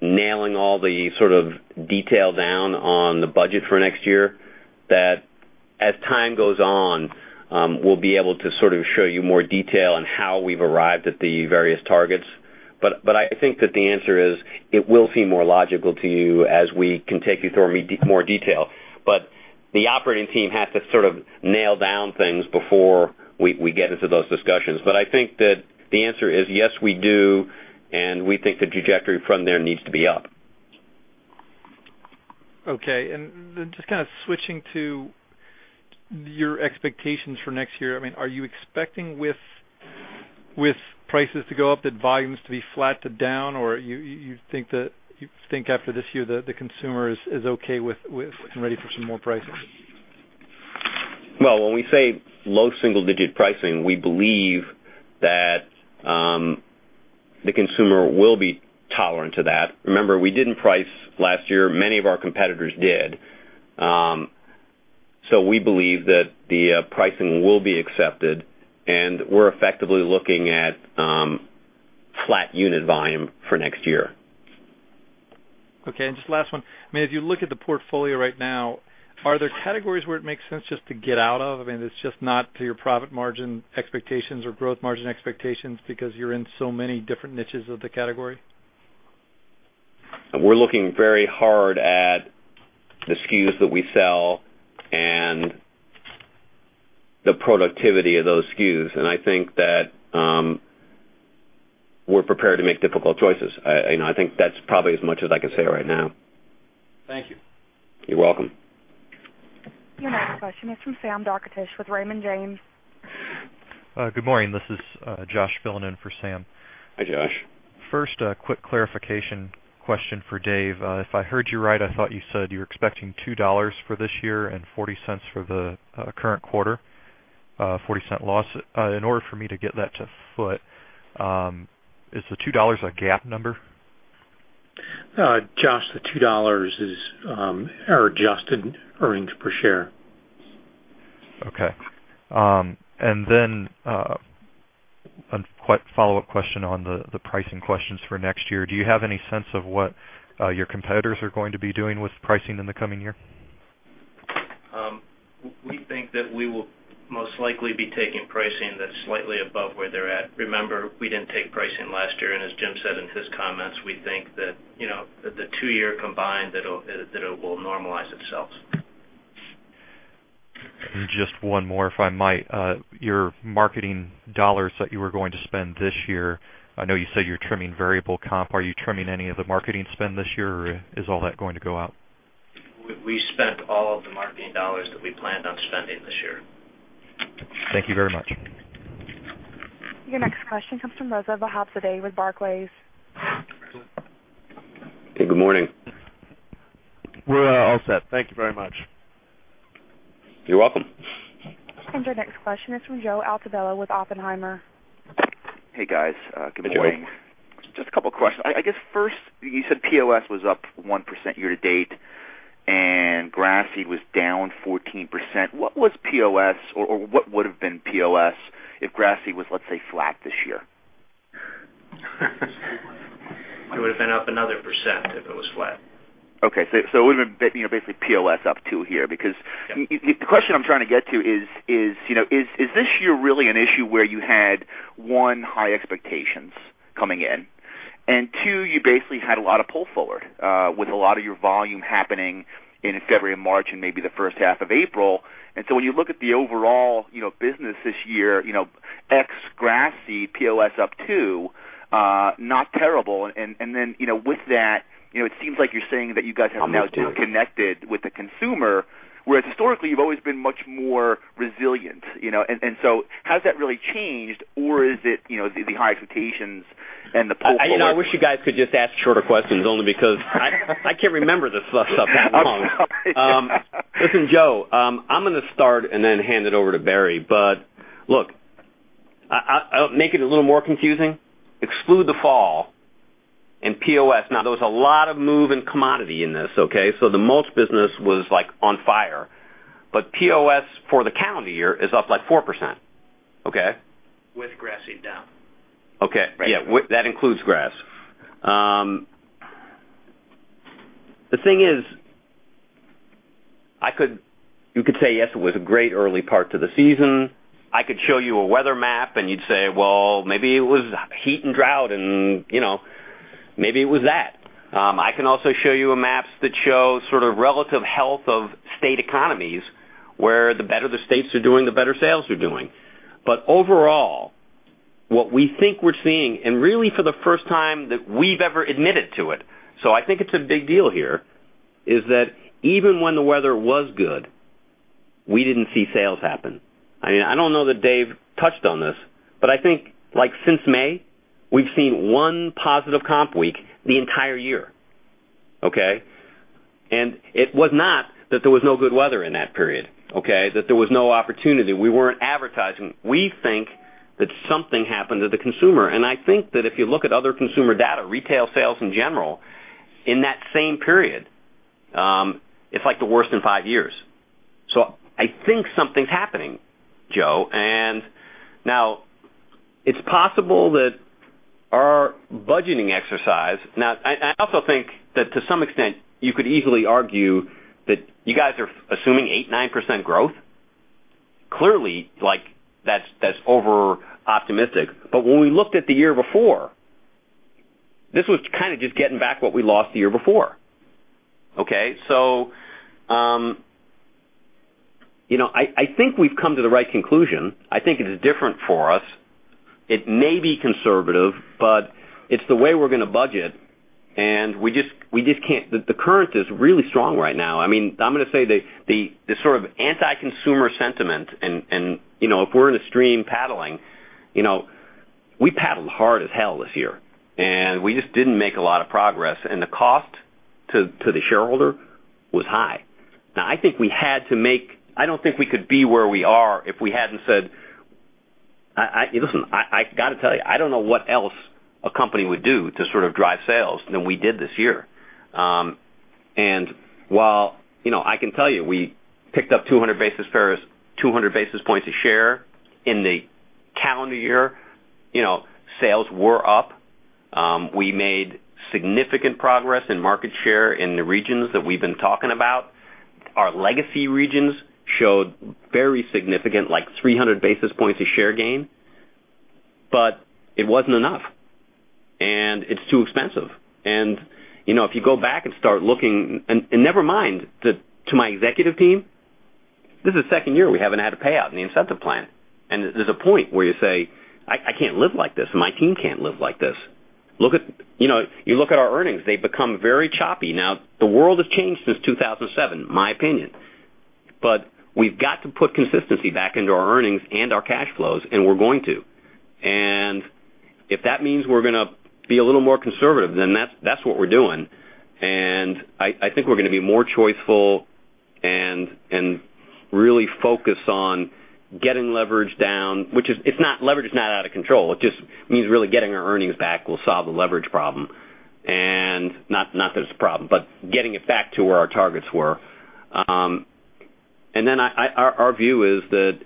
nailing all the detail down on the budget for next year, that as time goes on, we'll be able to show you more detail on how we've arrived at the various targets. I think that the answer is it will seem more logical to you as we can take you through more detail. The operating team has to nail down things before we get into those discussions. I think that the answer is yes, we do, and we think the trajectory from there needs to be up. Okay. Then just kind of switching to your expectations for next year. Are you expecting with prices to go up, that volumes to be flat to down? Or you think after this year, the consumer is okay and ready for some more pricing? Well, when we say low single-digit pricing, we believe that the consumer will be tolerant to that. Remember, we didn't price last year. Many of our competitors did. We believe that the pricing will be accepted, and we're effectively looking at flat unit volume for next year. Okay, just last one. If you look at the portfolio right now, are there categories where it makes sense just to get out of? I mean, it's just not to your profit margin expectations or growth margin expectations because you're in so many different niches of the category? We're looking very hard at the SKUs that we sell and the productivity of those SKUs. I think that we're prepared to make difficult choices. I think that's probably as much as I can say right now. Thank you. You're welcome. Your next question is from Sam Darkatsh with Raymond James. Good morning. This is Josh filling in for Sam. Hi, Josh. A quick clarification question for Dave. If I heard you right, I thought you said you're expecting $2 for this year and $0.40 for the current quarter, $0.40 loss. In order for me to get that to foot, is the $2 a GAAP number? Josh, the $2 is our adjusted earnings per share. Okay. Then a follow-up question on the pricing questions for next year. Do you have any sense of what your competitors are going to be doing with pricing in the coming year? We think that we will most likely be taking pricing that's slightly above where they're at. Remember, we didn't take pricing last year, as Jim said in his comments, we think that the two-year combined, that it will normalize itself. Just one more, if I might. Your marketing dollars that you were going to spend this year, I know you said you're trimming variable comp. Are you trimming any of the marketing spend this year, or is all that going to go out? We spent all of the marketing dollars that we planned on spending this year. Thank you very much. Your next question comes from Roza Vahabzadeh with Barclays. Hey, good morning. We're all set. Thank you very much. You're welcome. Our next question is from Joe Altobello with Oppenheimer. Hey, guys. Good morning. Hey, Joe. Just a couple of questions. I guess first, you said POS was up 1% year-to-date, and grass seed was down 14%. What was POS, or what would've been POS if grass seed was, let's say, flat this year? It would've been up another % if it was flat. Okay. It would've been basically POS up two here because. Yeah. The question I'm trying to get to is this year really an issue where you had, one, high expectations coming in? Two, you basically had a lot of pull forward with a lot of your volume happening in February and March and maybe the first half of April. When you look at the overall business this year, ex grass seed, POS up two, not terrible. Then with that, it seems like you're saying that you guys have now disconnected with the consumer, where historically you've always been much more resilient. Has that really changed or is it the high expectations and the pull forward? I wish you guys could just ask shorter questions only because I can't remember this stuff that long. I'm sorry. Listen, Joe, I'm going to start and then hand it over to Barry. Look, I'll make it a little more confusing. Exclude the fall and POS. There was a lot of move in commodity in this. The Mulch business was on fire, but POS for the calendar year is up like 4%. Okay? With grass seed down. Okay. Yeah. That includes grass. The thing is, you could say, yes, it was a great early part to the season. I could show you a weather map and you'd say, well, maybe it was heat and drought and maybe it was that. I can also show you maps that show sort of relative health of state economies, where the better the states are doing, the better sales are doing. Overall, what we think we're seeing, and really for the first time that we've ever admitted to it, so I think it's a big deal here, is that even when the weather was good, we didn't see sales happen. I don't know that Dave touched on this, but I think since May, we've seen one positive comp week the entire year. Okay. It was not that there was no good weather in that period. That there was no opportunity. We weren't advertising. We think that something happened to the consumer, and I think that if you look at other consumer data, retail sales in general, in that same period, it's like the worst in five years. I think something's happening, Joe. Now it's possible that our budgeting exercise-- I also think that to some extent you could easily argue that you guys are assuming 8%-9% growth. Clearly, that's over-optimistic. When we looked at the year before, this was kind of just getting back what we lost the year before. Okay. I think we've come to the right conclusion. I think it is different for us. It may be conservative, but it's the way we're going to budget, and the current is really strong right now. I'm going to say the sort of anti-consumer sentiment and if we're in a stream paddling, we paddled hard as hell this year, and we just didn't make a lot of progress, and the cost to the shareholder was high. I don't think we could be where we are. Listen, I got to tell you, I don't know what else a company would do to sort of drive sales than we did this year. While I can tell you, we picked up 200 basis points a share in the calendar year. Sales were up. We made significant progress in market share in the regions that we've been talking about. Our legacy regions showed very significant, like 300 basis points a share gain, but it wasn't enough, and it's too expensive. If you go back and start looking, never mind that to my executive team, this is the second year we haven't had a payout in the incentive plan. There's a point where you say, "I can't live like this, and my team can't live like this." You look at our earnings, they've become very choppy. The world has changed since 2007, my opinion. We've got to put consistency back into our earnings and our cash flows, and we're going to. If that means we're going to be a little more conservative, then that's what we're doing. I think we're going to be more choiceful and really focus on getting leverage down, which leverage is not out of control. It just means really getting our earnings back will solve the leverage problem, not that it's a problem, but getting it back to where our targets were. Our view is that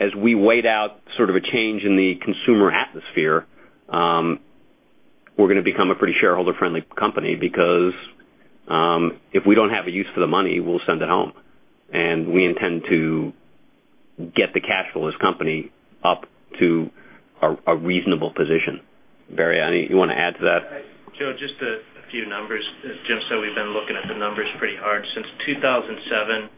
as we wait out sort of a change in the consumer atmosphere, we're going to become a pretty shareholder-friendly company because, if we don't have a use for the money, we'll send it home, and we intend to get the cash flow of this company up to a reasonable position. Barry, you want to add to that? Joe, just a few numbers. As Jim said, we've been looking at the numbers pretty hard. Since 2007,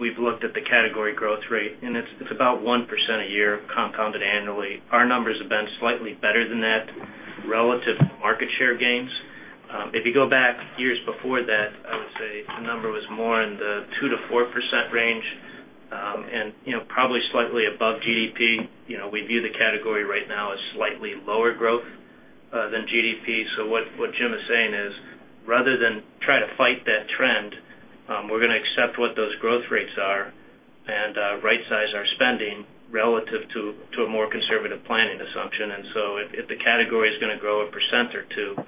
we've looked at the category growth rate, it's about 1% a year compounded annually. Our numbers have been slightly better than that relative to market share gains. If you go back years before that, I would say the number was more in the 2%-4% range, probably slightly above GDP. We view the category right now as slightly lower growth than GDP. What Jim is saying is rather than try to fight that trend, we're going to accept what those growth rates are and rightsize our spending relative to a more conservative planning assumption. If the category is going to grow 1% or 2%,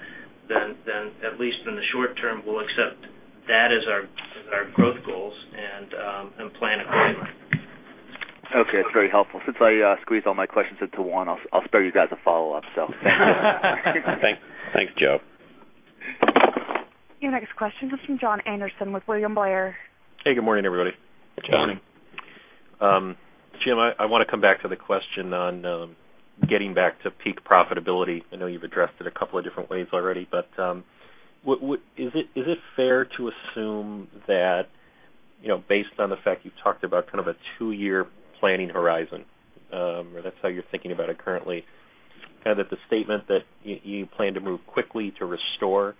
then at least in the short term, we'll accept that as our growth goals and plan accordingly. Okay. That's very helpful. Since I squeezed all my questions into one, I'll spare you guys a follow-up. Thank you. Thanks, Joe. Your next question is from Jon Andersen with William Blair. Hey, good morning, everybody. Good morning. Jim, I want to come back to the question on getting back to peak profitability. I know you've addressed it a couple of different ways already, but is it fair to assume that based on the fact you talked about kind of a two-year planning horizon, or that's how you're thinking about it currently, kind of that the statement that you plan to move quickly to restore profitability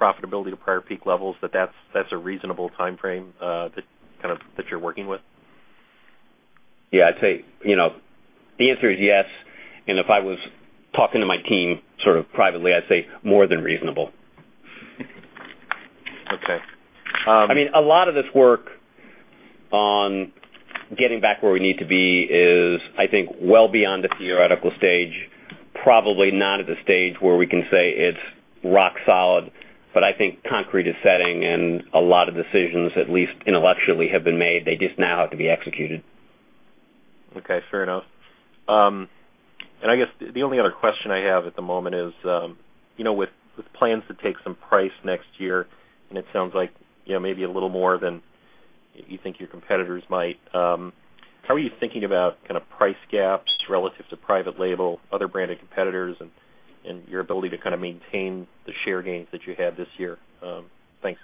to prior peak levels, that that's a reasonable timeframe that you're working with? Yeah, I'd say the answer is yes, and if I was talking to my team sort of privately, I'd say more than reasonable. Okay. A lot of this work on getting back where we need to be is, I think, well beyond the theoretical stage, probably not at the stage where we can say it's rock solid, but I think concrete is setting and a lot of decisions, at least intellectually, have been made. They just now have to be executed. Okay, fair enough. I guess the only other question I have at the moment is with plans to take some price next year, and it sounds like maybe a little more than you think your competitors might, how are you thinking about kind of price gaps relative to private label, other branded competitors, and your ability to kind of maintain the share gains that you had this year? Thanks.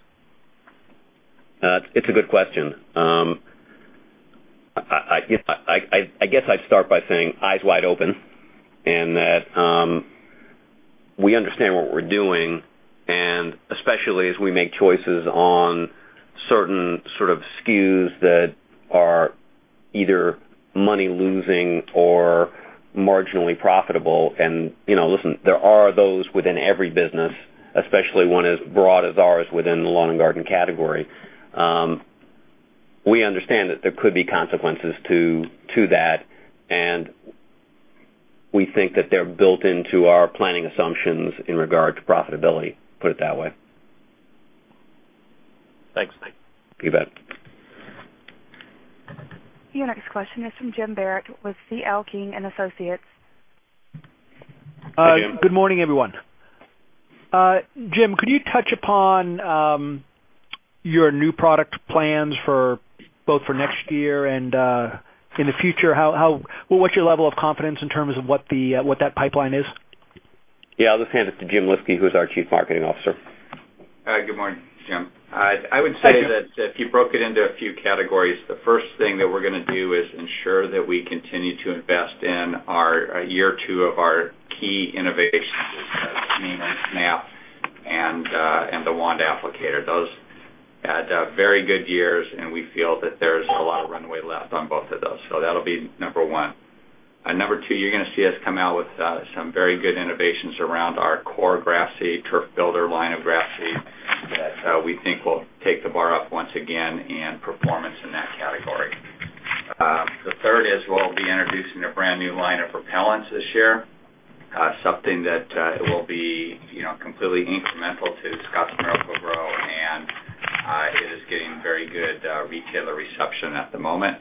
It's a good question. I guess I'd start by saying eyes wide open, and that we understand what we're doing, and especially as we make choices on certain sort of SKUs that are either money losing or marginally profitable. Listen, there are those within every business, especially one as broad as ours within the lawn and garden category. We understand that there could be consequences to that, and we think that they're built into our planning assumptions in regard to profitability, put it that way. Thanks. You bet. Your next question is from Jim Barrett with C.L. King & Associates. Good morning, everyone. Jim, could you touch upon your new product plans both for next year and in the future? What's your level of confidence in terms of what that pipeline is? Yeah, I'll just hand it to Jim Lyski, who's our Chief Marketing Officer. Good morning, Jim. I would say that if you broke it into a few categories, the first thing that we're going to do is ensure that we continue to invest in year 2 of our key innovations, as kind of Preen and Snap and the Comfort Wand. Those had very good years, and we feel that there's a lot of runway left on both of those. That'll be number 1. Number 2, you're going to see us come out with some very good innovations around our core grass seed, Turf Builder line of grass seed that we think will take the bar up once again in performance in that category. The third is we'll be introducing a brand new line of repellents this year, something that it will be completely incremental to Scotts Miracle-Gro, and it is getting very good retailer reception at the moment.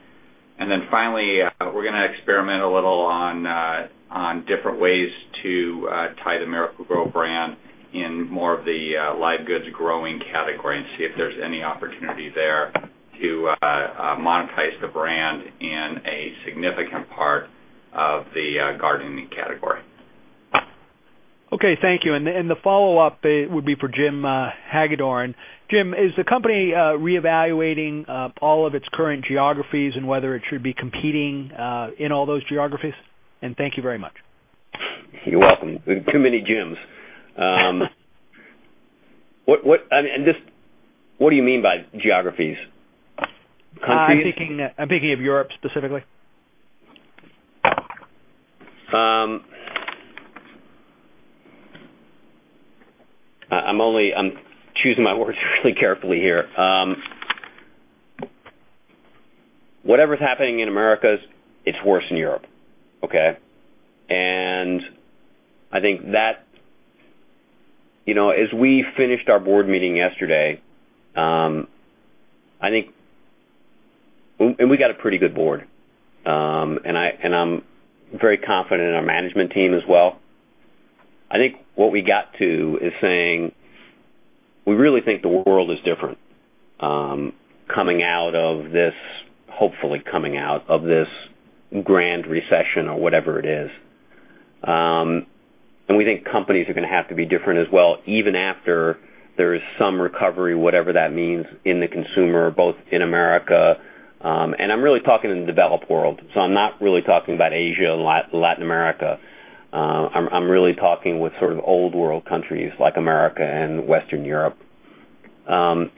Finally, we're going to experiment a little on different ways to tie the Miracle-Gro brand in more of the live goods growing category and see if there's any opportunity there to monetize the brand in a significant part of the gardening category. Thank you. The follow-up would be for Jim Hagedorn. Jim, is the company reevaluating all of its current geographies and whether it should be competing in all those geographies? Thank you very much. You're welcome. Too many Jims. What do you mean by geographies? Countries? I'm thinking of Europe specifically. I'm choosing my words really carefully here. Whatever's happening in Americas, it's worse in Europe, okay? I think that as we finished our board meeting yesterday, and we got a pretty good board, and I'm very confident in our management team as well. I think what we got to is saying we really think the world is different coming out of this, hopefully coming out of this grand recession or whatever it is. We think companies are going to have to be different as well, even after there is some recovery, whatever that means, in the consumer, both in America, and I'm really talking in the developed world, so I'm not really talking about Asia and Latin America. I'm really talking with sort of old world countries like America and Western Europe. I'm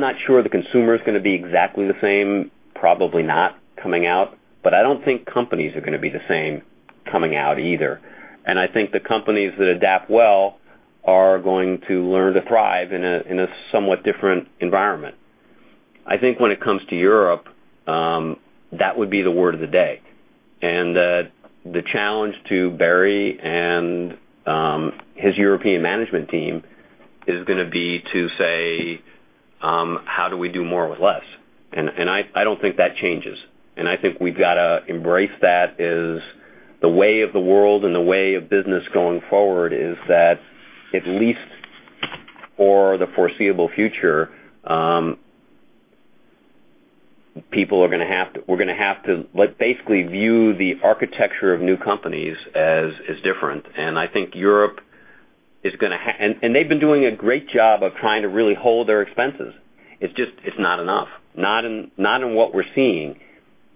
not sure the consumer is going to be exactly the same, probably not coming out, but I don't think companies are going to be the same coming out either. I think the companies that adapt well are going to learn to thrive in a somewhat different environment. I think when it comes to Europe, that would be the word of the day. That the challenge to Barry and his European management team is going to be to say, how do we do more with less? I don't think that changes, and I think we've got to embrace that as the way of the world and the way of business going forward is that at least for the foreseeable future, we're going to have to basically view the architecture of new companies as different. They've been doing a great job of trying to really hold their expenses. It's just not enough. Not in what we're seeing.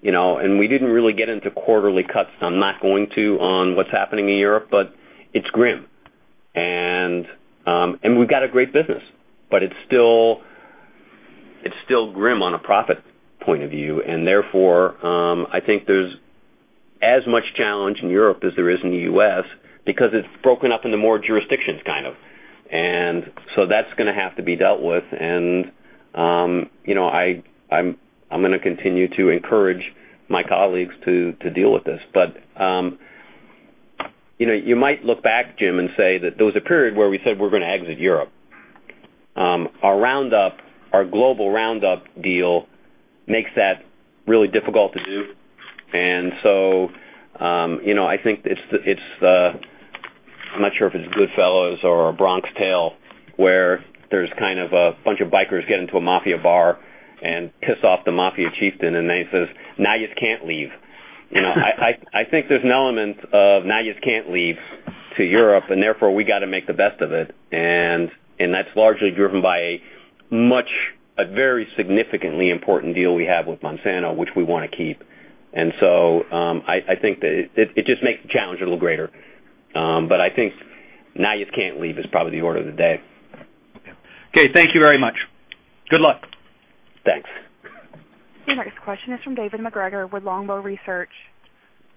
We didn't really get into quarterly cuts, so I'm not going to on what's happening in Europe, but it's grim. We've got a great business, but it's still grim on a profit point of view. Therefore, I think there's as much challenge in Europe as there is in the U.S. because it's broken up into more jurisdictions. That's going to have to be dealt with, and I'm going to continue to encourage my colleagues to deal with this. You might look back, Jim, and say that there was a period where we said we're going to exit Europe. Our global Roundup deal makes that really difficult to do. I think it's, I'm not sure if it's "Goodfellas" or "A Bronx Tale," where there's kind of a bunch of bikers get into a mafia bar and piss off the mafia chieftain, and then he says, "Now yous can't leave." I think there's an element of, now yous can't leave to Europe, and therefore we got to make the best of it. That's largely driven by a very significantly important deal we have with Monsanto, which we want to keep. I think that it just makes the challenge a little greater. I think now yous can't leave is probably the order of the day. Okay. Thank you very much. Good luck. Thanks. The next question is from David MacGregor with Longbow Research.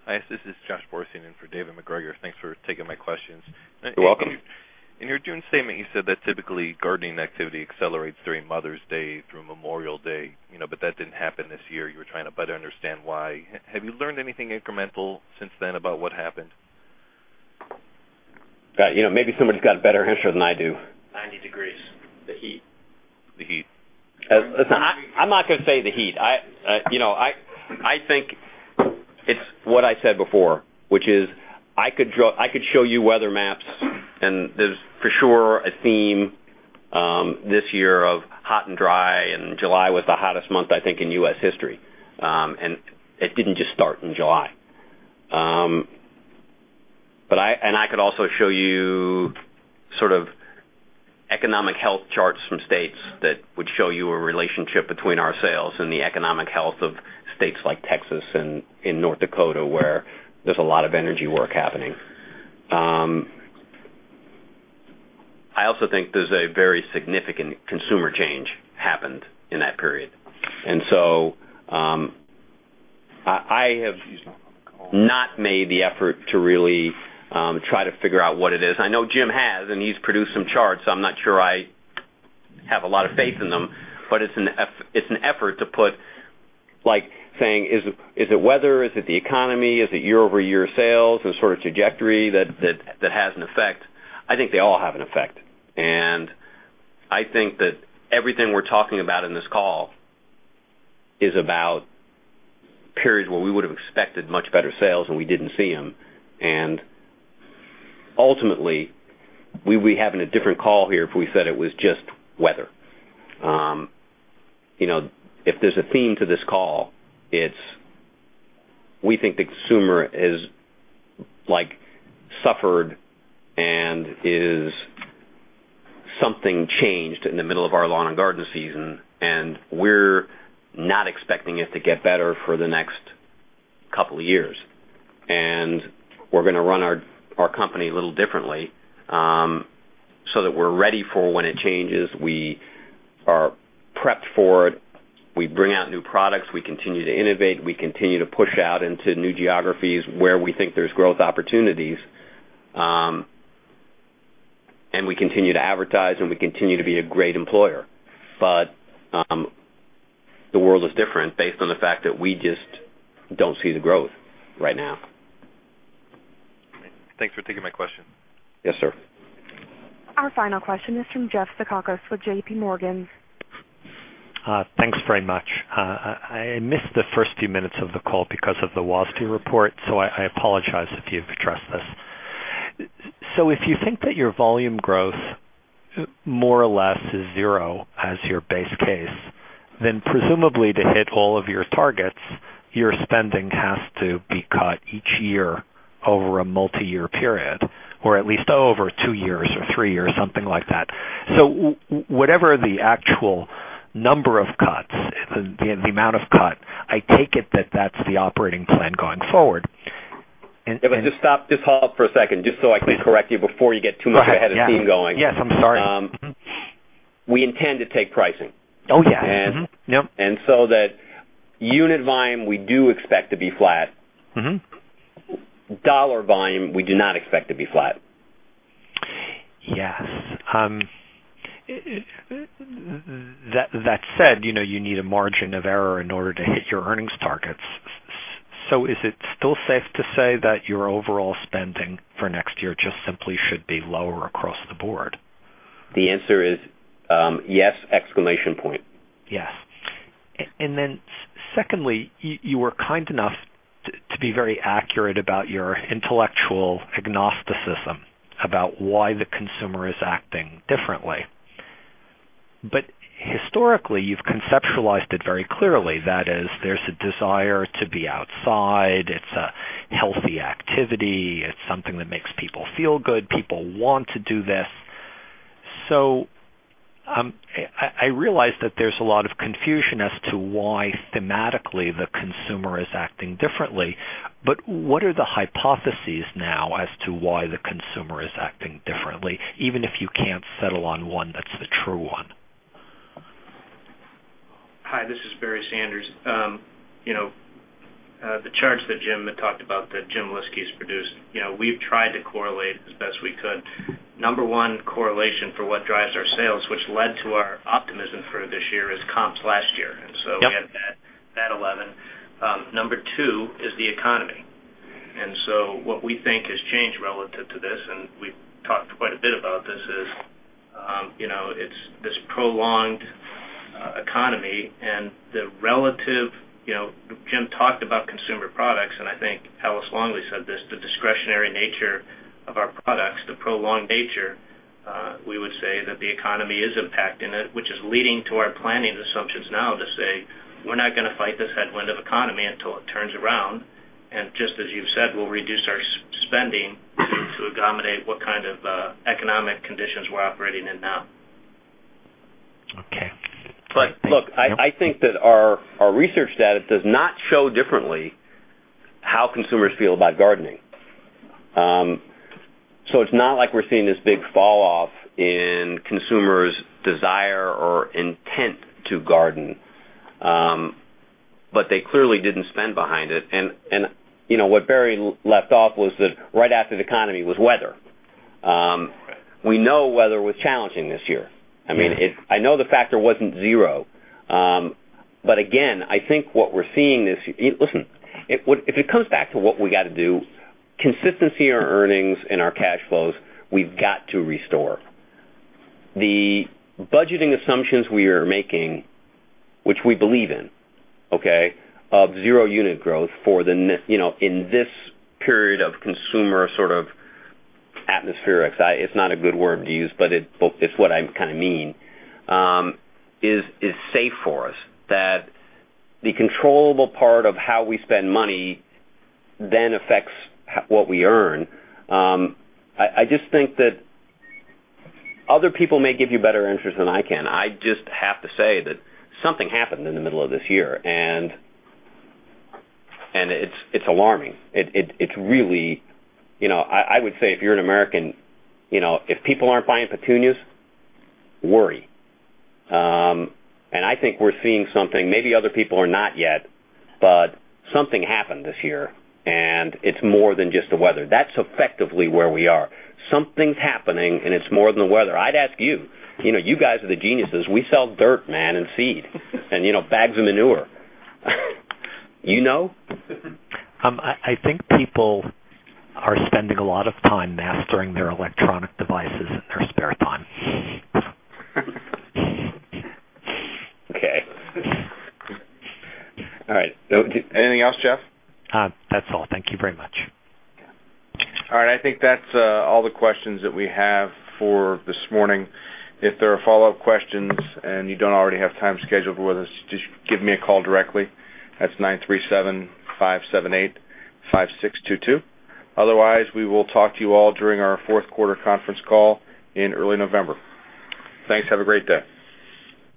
Hi, this is Josh Borstein in for David MacGregor. Thanks for taking my questions. You're welcome. In your June statement, you said that typically gardening activity accelerates during Mother's Day through Memorial Day, but that didn't happen this year. You were trying to better understand why. Have you learned anything incremental since then about what happened? Maybe somebody's got a better answer than I do. 90 degrees. The heat. The heat. Listen, I'm not going to say the heat. I think it's what I said before, which is I could show you weather maps, and there's for sure a theme this year of hot and dry, and July was the hottest month, I think, in U.S. history. It didn't just start in July. I could also show you sort of economic health charts from states that would show you a relationship between our sales and the economic health of states like Texas and North Dakota, where there's a lot of energy work happening. I also think there's a very significant consumer change happened in that period. I have not made the effort to really try to figure out what it is. I know Jim has, and he's produced some charts. I'm not sure I have a lot of faith in them, but it's an effort to put like saying, is it weather? Is it the economy? Is it year-over-year sales? This sort of trajectory that has an effect. I think they all have an effect, and I think that everything we're talking about in this call is about periods where we would have expected much better sales, and we didn't see them. Ultimately, we'd be having a different call here if we said it was just weather. If there's a theme to this call, it's we think the consumer has suffered and something changed in the middle of our lawn and garden season, and we're not expecting it to get better for the next couple of years. We're going to run our company a little differently, so that we're ready for when it changes. We are prepped for it. We bring out new products, we continue to innovate, we continue to push out into new geographies where we think there's growth opportunities, we continue to advertise, we continue to be a great employer. The world is different based on the fact that we just don't see the growth right now. Thanks for taking my question. Yes, sir. Our final question is from Jeff Zekauskas with JP Morgan. Thanks very much. I missed the first few minutes of the call because of the Wall Street report, so I apologize if you've addressed this. If you think that your volume growth more or less is zero as your base case, presumably to hit all of your targets, your spending has to be cut each year over a multi-year period, or at least over two years or three or something like that. Whatever the actual number of cuts, the amount of cut, I take it that that's the operating plan going forward. Just stop. Just hold for a second, just so I can correct you before you get too much ahead of steam going. Yes, I'm sorry. Mm-hmm. We intend to take pricing. Oh, yeah. Mm-hmm. Yep. That unit volume, we do expect to be flat. Dollar volume, we do not expect to be flat. Yes. That said, you need a margin of error in order to hit your earnings targets. Is it still safe to say that your overall spending for next year just simply should be lower across the board? The answer is yes, exclamation point. Yes. Secondly, you were kind enough to be very accurate about your intellectual agnosticism about why the consumer is acting differently. Historically, you've conceptualized it very clearly. That is, there's a desire to be outside. It's a healthy activity. It's something that makes people feel good. People want to do this. I realize that there's a lot of confusion as to why thematically the consumer is acting differently, but what are the hypotheses now as to why the consumer is acting differently, even if you can't settle on one that's the true one? Hi, this is Barry Sanders. The charts that Jim had talked about that Jim Lyski's produced, we've tried to correlate as best we could. Number 1 correlation for what drives our sales, which led to our optimism for this year, is comps last year. Yep. We had that at 11. Number 2 is the economy. What we think has changed relative to this, and we've talked quite a bit about this, is it's this prolonged economy and the relative, Jim talked about consumer products, and I think Alice Longley said this, the discretionary nature of our products, the prolonged nature, we would say that the economy is impacting it, which is leading to our planning assumptions now to say we're not going to fight this headwind of economy until it turns around. Just as you've said, we'll reduce our spending to accommodate what kind of economic conditions we're operating in now. Okay. Look, I think that our research status does not show differently how consumers feel about gardening. It's not like we're seeing this big falloff in consumers' desire or intent to garden. They clearly didn't spend behind it. What Barry left off was that right after the economy was weather. We know weather was challenging this year. I know the factor wasn't zero. Again, I think what we're seeing this Listen, if it comes back to what we got to do, consistency in our earnings and our cash flows, we've got to restore. The budgeting assumptions we are making, which we believe in, okay, of zero unit growth in this period of consumer sort of atmospheric. It's not a good word to use, but it's what I kind of mean, is safe for us. That the controllable part of how we spend money then affects what we earn. I just think that other people may give you better answers than I can. I just have to say that something happened in the middle of this year, it's alarming. I would say if you're an American, if people aren't buying petunias, worry. I think we're seeing something. Maybe other people are not yet, but something happened this year, and it's more than just the weather. That's effectively where we are. Something's happening, and it's more than the weather. I'd ask you. You guys are the geniuses. We sell dirt, man, and seed and bags of manure. You know? I think people are spending a lot of time mastering their electronic devices in their spare time. Okay. All right. Anything else, Jeff? That's all. Thank you very much. Okay. All right, I think that's all the questions that we have for this morning. If there are follow-up questions and you don't already have time scheduled with us, just give me a call directly. That's (937) 578-5622. Otherwise, we will talk to you all during our fourth quarter conference call in early November. Thanks. Have a great day.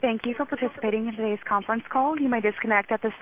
Thank you for participating in today's conference call. You may disconnect at this time.